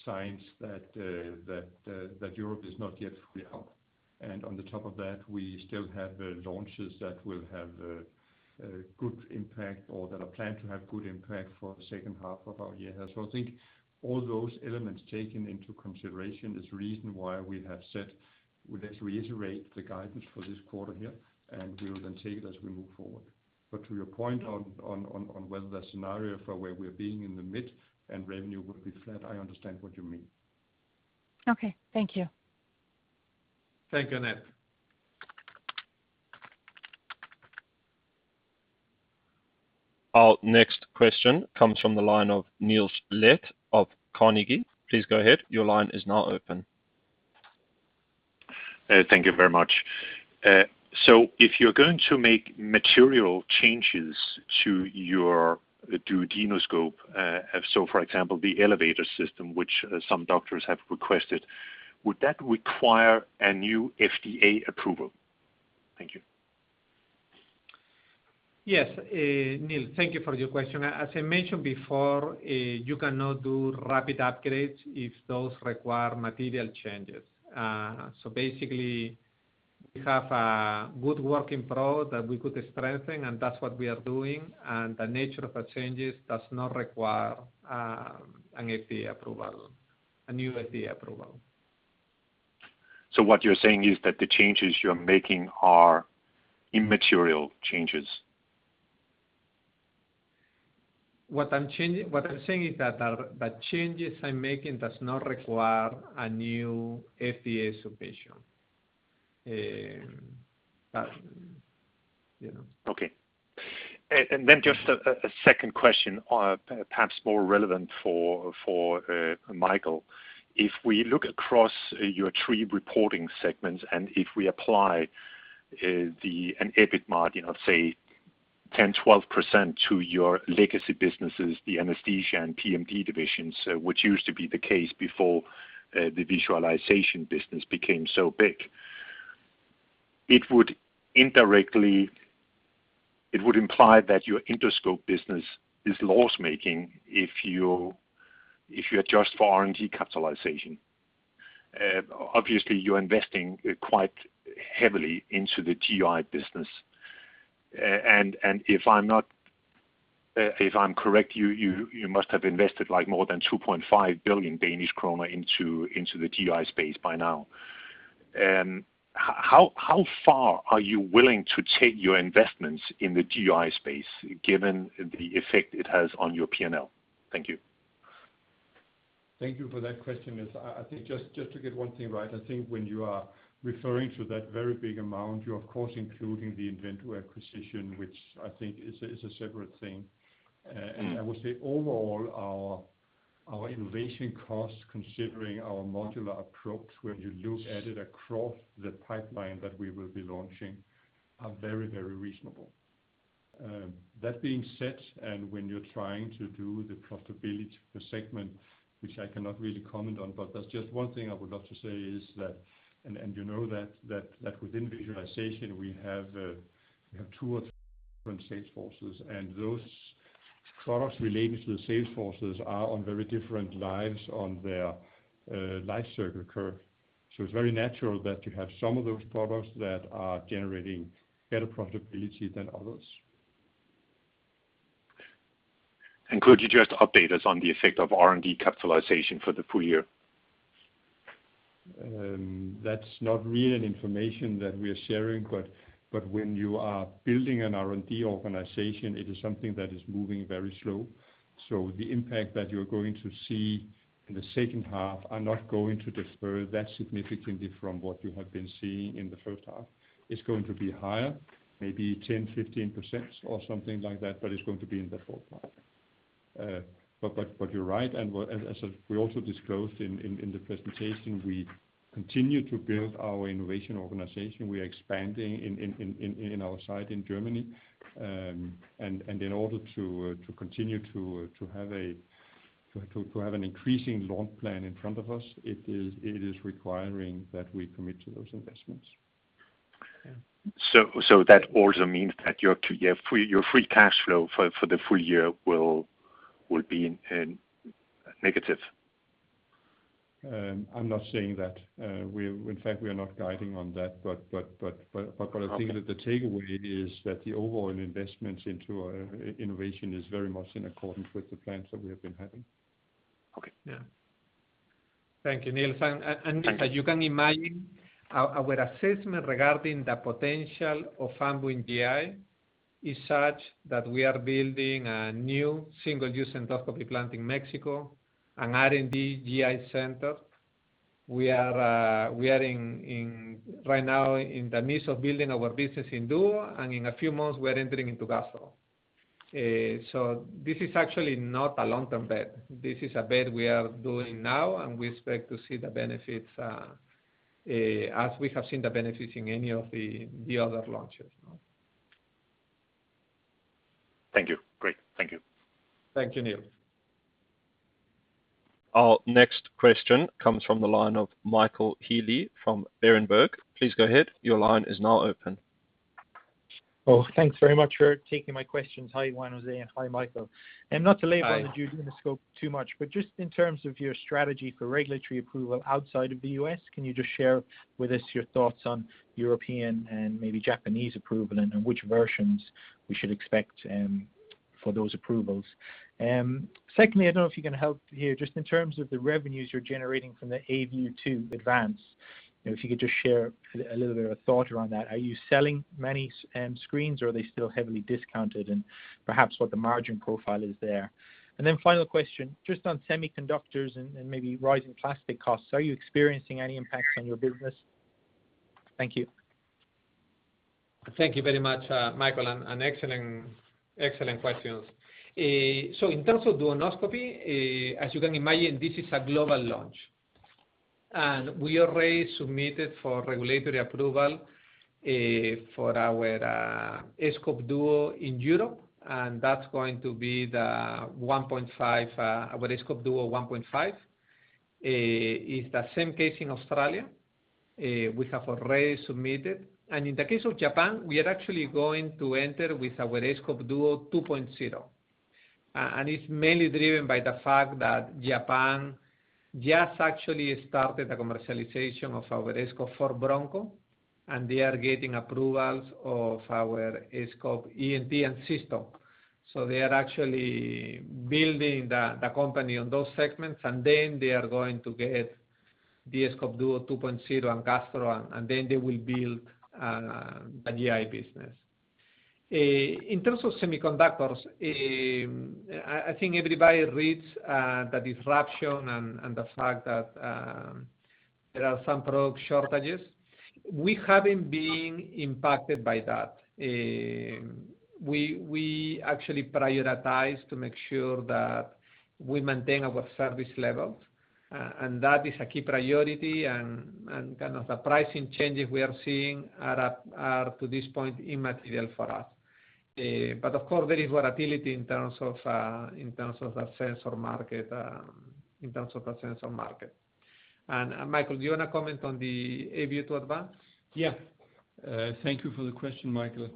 [SPEAKER 3] signs that Europe is not yet fully out. On the top of that, we still have launches that will have a good impact or that are planned to have good impact for the second half of our year. I think all those elements taken into consideration is the reason why we have said we'd like to reiterate the guidance for this quarter here, and we will then take it as we move forward. To your point on whether the scenario for where we're being in the mid and revenue will be flat, I understand what you mean.
[SPEAKER 10] Okay. Thank you.
[SPEAKER 1] Thank you, Annette.
[SPEAKER 2] Our next question comes from the line of Niels Leth of Carnegie. Please go ahead. Your line is now open.
[SPEAKER 7] Thank you very much. If you're going to make material changes to your duodenoscope, for example, the elevator system, which some doctors have requested, would that require a new FDA approval? Thank you.
[SPEAKER 1] Yes. Niels, thank you for your question. As I mentioned before, you cannot do rapid upgrades if those require material changes. Basically, we have a good working product that we could strengthen, and that's what we are doing, and the nature of the changes does not require a new FDA approval.
[SPEAKER 7] What you're saying is that the changes you're making are immaterial changes?
[SPEAKER 1] What I'm saying is that the changes I'm making does not require a new FDA submission.
[SPEAKER 7] Okay. Then just a second question, perhaps more relevant for Michael. If we look across your three reporting segments, and if we apply an EBIT margin of, say, 10%, 12% to your legacy businesses, the anesthesia and PMD divisions, which used to be the case before the visualization business became so big, it would imply that your endoscope business is loss-making if you adjust for R&D capitalization. Obviously, you're investing quite heavily into the GI business. If I'm correct, you must have invested more than 2.5 billion Danish kroner into the GI space by now. How far are you willing to take your investments in the GI space, given the effect it has on your P&L? Thank you.
[SPEAKER 3] Thank you for that question, Niels. I think just to get one thing right, I think when you are referring to that very big amount, you, of course, including the Invendo acquisition, which I think is a separate thing. I would say overall, our innovation costs, considering our modular approach, when you look at it across the pipeline that we will be launching, are very reasonable. That being said, when you're trying to do the profitability per segment, which I cannot really comment on, there's just one thing I would love to say is that, you know that within visualization, we have two or [three] different sales forces, and those products related to the sales forces are on very different lives on their life cycle curve. It's very natural that you have some of those products that are generating better profitability than others.
[SPEAKER 7] Could you just update us on the effect of R&D capitalization for the full year?
[SPEAKER 3] That's not really an information that we are sharing, but when you are building an R&D organization, it is something that is moving very slow. The impact that you're going to see in the second half are not going to differ that significantly from what you have been seeing in the first half. It's going to be higher, maybe 10%, 15% or something like that, but it's going to be in the fourth quarter. You're right, and as we also disclosed in the presentation, we continue to build our innovation organization. We are expanding in our site in Germany. In order to continue to have an increasing launch plan in front of us, it is requiring that we commit to those investments.
[SPEAKER 7] That also means that your free cash flow for the full year will be negative?
[SPEAKER 3] I'm not saying that. In fact, we are not guiding on that. What I think that the takeaway is that the overall investments into our innovation is very much in accordance with the plans that we have been having.
[SPEAKER 7] Okay.
[SPEAKER 3] Yeah.
[SPEAKER 1] Thank you, Niels.
[SPEAKER 7] Thank you.
[SPEAKER 1] As you can imagine, our assessment regarding the potential of Ambu in GI is such that we are building a new single-use endoscopy plant in Mexico, an R&D GI center. We are right now in the midst of building our business in duo, and in a few months, we're entering into gastro. This is actually not a long-term bet. This is a bet we are doing now, and we expect to see the benefits as we have seen the benefits in any of the other launches.
[SPEAKER 7] Thank you. Great. Thank you.
[SPEAKER 1] Thank you, Niels.
[SPEAKER 2] Our next question comes from the line of Michael Healy from Berenberg. Please go ahead. Your line is now open.
[SPEAKER 11] Thanks very much for taking my questions. Hi, Juan Jose, and hi, Michael.
[SPEAKER 1] Hi.
[SPEAKER 11] Not to labor on the duodenoscope too much, just in terms of your strategy for regulatory approval outside of the U.S., can you just share with us your thoughts on European and maybe Japanese approval and which versions we should expect for those approvals? Secondly, I don't know if you can help here, just in terms of the revenues you're generating from the aView 2 Advance. If you could just share a little bit of a thought around that. Are you selling many screens, or are they still heavily discounted? Perhaps what the margin profile is there. Final question, just on semiconductors and maybe rising plastic costs, are you experiencing any impacts on your business? Thank you.
[SPEAKER 1] Thank you very much, Michael. An excellent questions. In terms of duodenoscopy, as you can imagine, this is a global launch, and we already submitted for regulatory approval for our aScope Duo in Europe, and that's going to be our aScope Duo 1.5. It's the same case in Australia. We have already submitted. In the case of Japan, we are actually going to enter with our aScope Duo 2.0. It's mainly driven by the fact that Japan just actually started the commercialization of our aScope 4 Broncho, and they are getting approvals of our aScope ENT and cysto. They are actually building the company on those segments, and then they are going to get the aScope Duo 2.0 and gastro, and then they will build the GI business. In terms of semiconductors, I think everybody reads the disruption and the fact that there are some product shortages. We haven't been impacted by that. We actually prioritize to make sure that we maintain our service levels, and that is a key priority, and the pricing changes we are seeing are, to this point, immaterial for us. Of course, there is volatility in terms of the sensor market. Michael, do you want to comment on the aView 2 Advance?
[SPEAKER 3] Thank you for the question, Michael.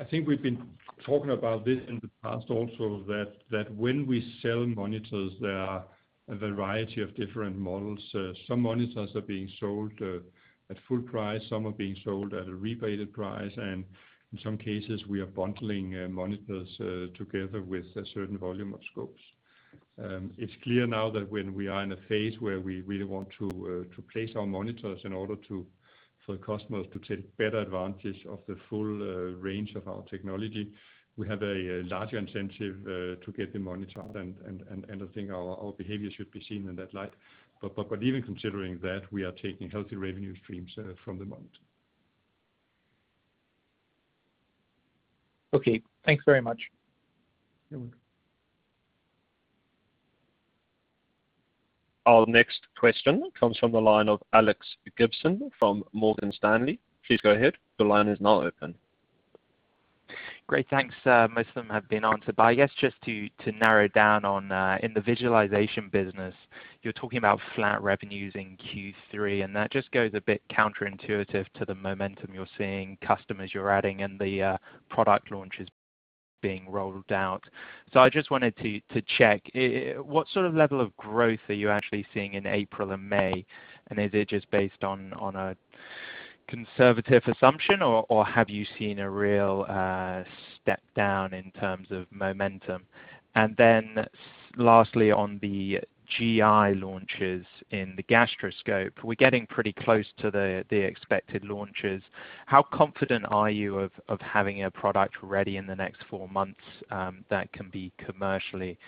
[SPEAKER 3] I think we've been talking about this in the past also, that when we sell monitors, there are a variety of different models. Some monitors are being sold at full price, some are being sold at a rebated price, and in some cases, we are bundling monitors together with a certain volume of scopes. It's clear now that when we are in a phase where we really want to place our monitors in order for customers to take better advantage of the full range of our technology, we have a larger incentive to get the monitor out, and I think our behavior should be seen in that light. But even considering that, we are taking healthy revenue streams from the monitor.
[SPEAKER 11] Okay. Thanks very much.
[SPEAKER 1] You're welcome.
[SPEAKER 2] Our next question comes from the line of Alex Gibson from Morgan Stanley. Please go ahead. The line is now open.
[SPEAKER 12] Great. Thanks. Most of them have been answered. I guess just to narrow down on, in the visualization business, you're talking about flat revenues in Q3, and that just goes a bit counterintuitive to the momentum you're seeing, customers you're adding, and the product launches being rolled out. I just wanted to check, what sort of level of growth are you actually seeing in April and May, and is it just based on a conservative assumption, or have you seen a real step down in terms of momentum? Lastly, on the GI launches in the gastroscope, we're getting pretty close to the expected launches. How confident are you of having a product ready in the next four months that can be commercially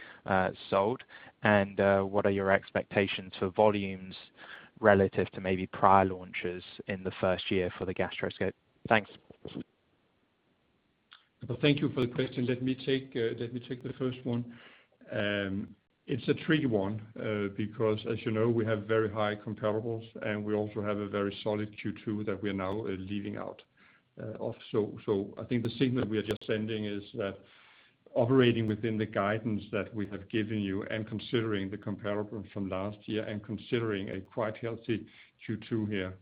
[SPEAKER 12] sold? What are your expectations for volumes relative to maybe prior launches in the first year for the gastroscope? Thanks.
[SPEAKER 3] Well, thank you for the question. Let me take the first one. It's a tricky one, because as you know, we have very high comparables, and we also have a very solid Q2 that we are now leaving out of. I think the signal we are just sending is that operating within the guidance that we have given you and considering the comparable from last year and considering a quite healthy Q2 here,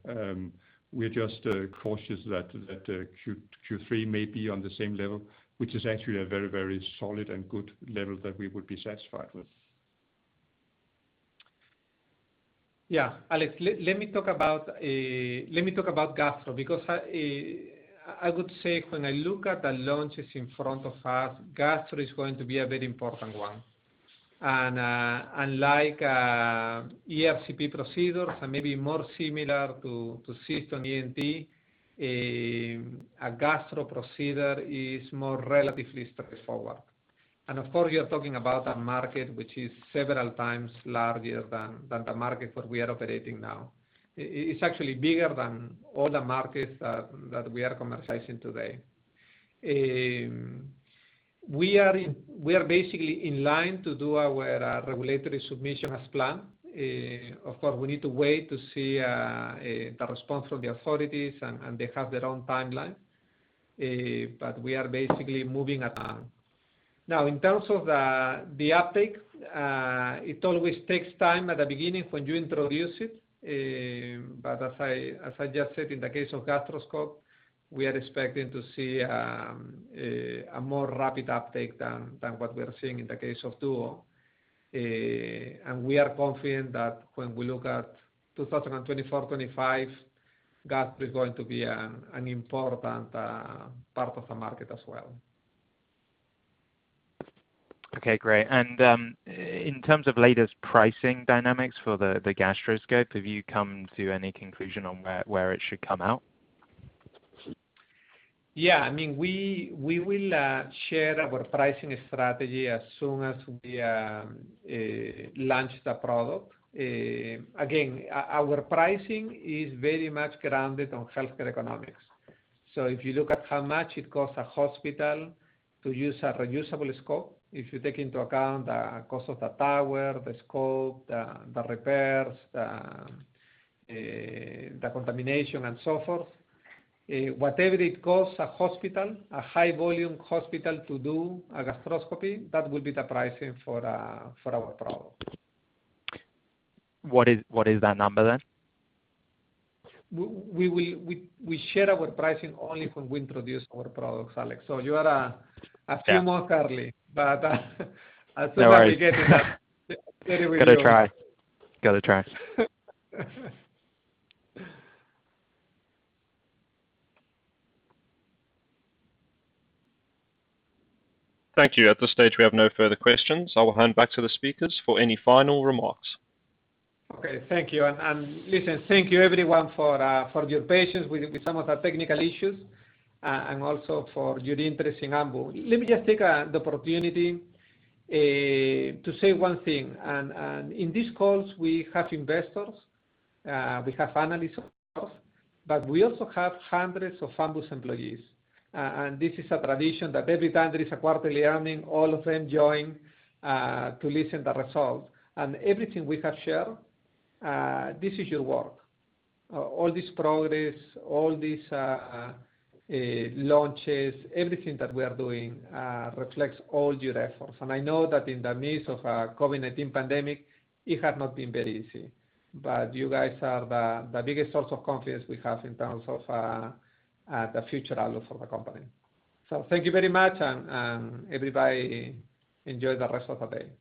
[SPEAKER 3] we're just cautious that Q3 may be on the same level, which is actually a very solid and good level that we would be satisfied with.
[SPEAKER 1] Yeah. Alex, let me talk about gastro, because I would say when I look at the launches in front of us, gastro is going to be a very important one. Unlike ERCP procedures and maybe more similar to cysto and ENT, a gastro procedure is more relatively straightforward. Of course, you're talking about a market which is several times larger than the market that we are operating now. It's actually bigger than all the markets that we are commercializing today. We are basically in line to do our regulatory submission as planned. Of course, we need to wait to see the response from the authorities, and they have their own timeline. We are basically moving along. Now, in terms of the uptake, it always takes time at the beginning when you introduce it. As I just said, in the case of gastroscope, we are expecting to see a more rapid uptake than what we are seeing in the case of duo. We are confident that when we look at 2024, 2025, gastro is going to be an important part of the market as well.
[SPEAKER 12] Okay, great. In terms of latest pricing dynamics for the gastro scope, have you come to any conclusion on where it should come out?
[SPEAKER 1] Yeah. We will share our pricing strategy as soon as we launch the product. Again, our pricing is very much grounded on healthcare economics. If you look at how much it costs a hospital to use a reusable scope, if you take into account the cost of the tower, the scope, the repairs, decontamination and so forth, whatever it costs a hospital, a high volume hospital to do a gastroscopy, that will be the pricing for our product.
[SPEAKER 12] What is that number then?
[SPEAKER 1] We share our pricing only when we introduce our products, Alex. You are a few months early. As soon as we get it.
[SPEAKER 12] No worry.
[SPEAKER 1] Very soon.
[SPEAKER 12] Gotta try. Gotta try.
[SPEAKER 2] Thank you. At this stage, we have no further questions. I will hand back to the speakers for any final remarks.
[SPEAKER 1] Okay. Thank you. Listen, thank you everyone for your patience with some of our technical issues, and also for your interest in Ambu. Let me just take the opportunity to say one thing. In these calls, we have investors, we have analysts, but we also have hundreds of Ambu employees. This is a tradition that every time there is a quarterly earning, all of them join to listen the results. Everything we have shared, this is your work. All this progress, all these launches, everything that we are doing reflects all your efforts. I know that in the midst of our COVID-19 pandemic, it had not been very easy. You guys are the biggest source of confidence we have in terms of the future outlook of the company. Thank you very much, and everybody enjoy the rest of the day.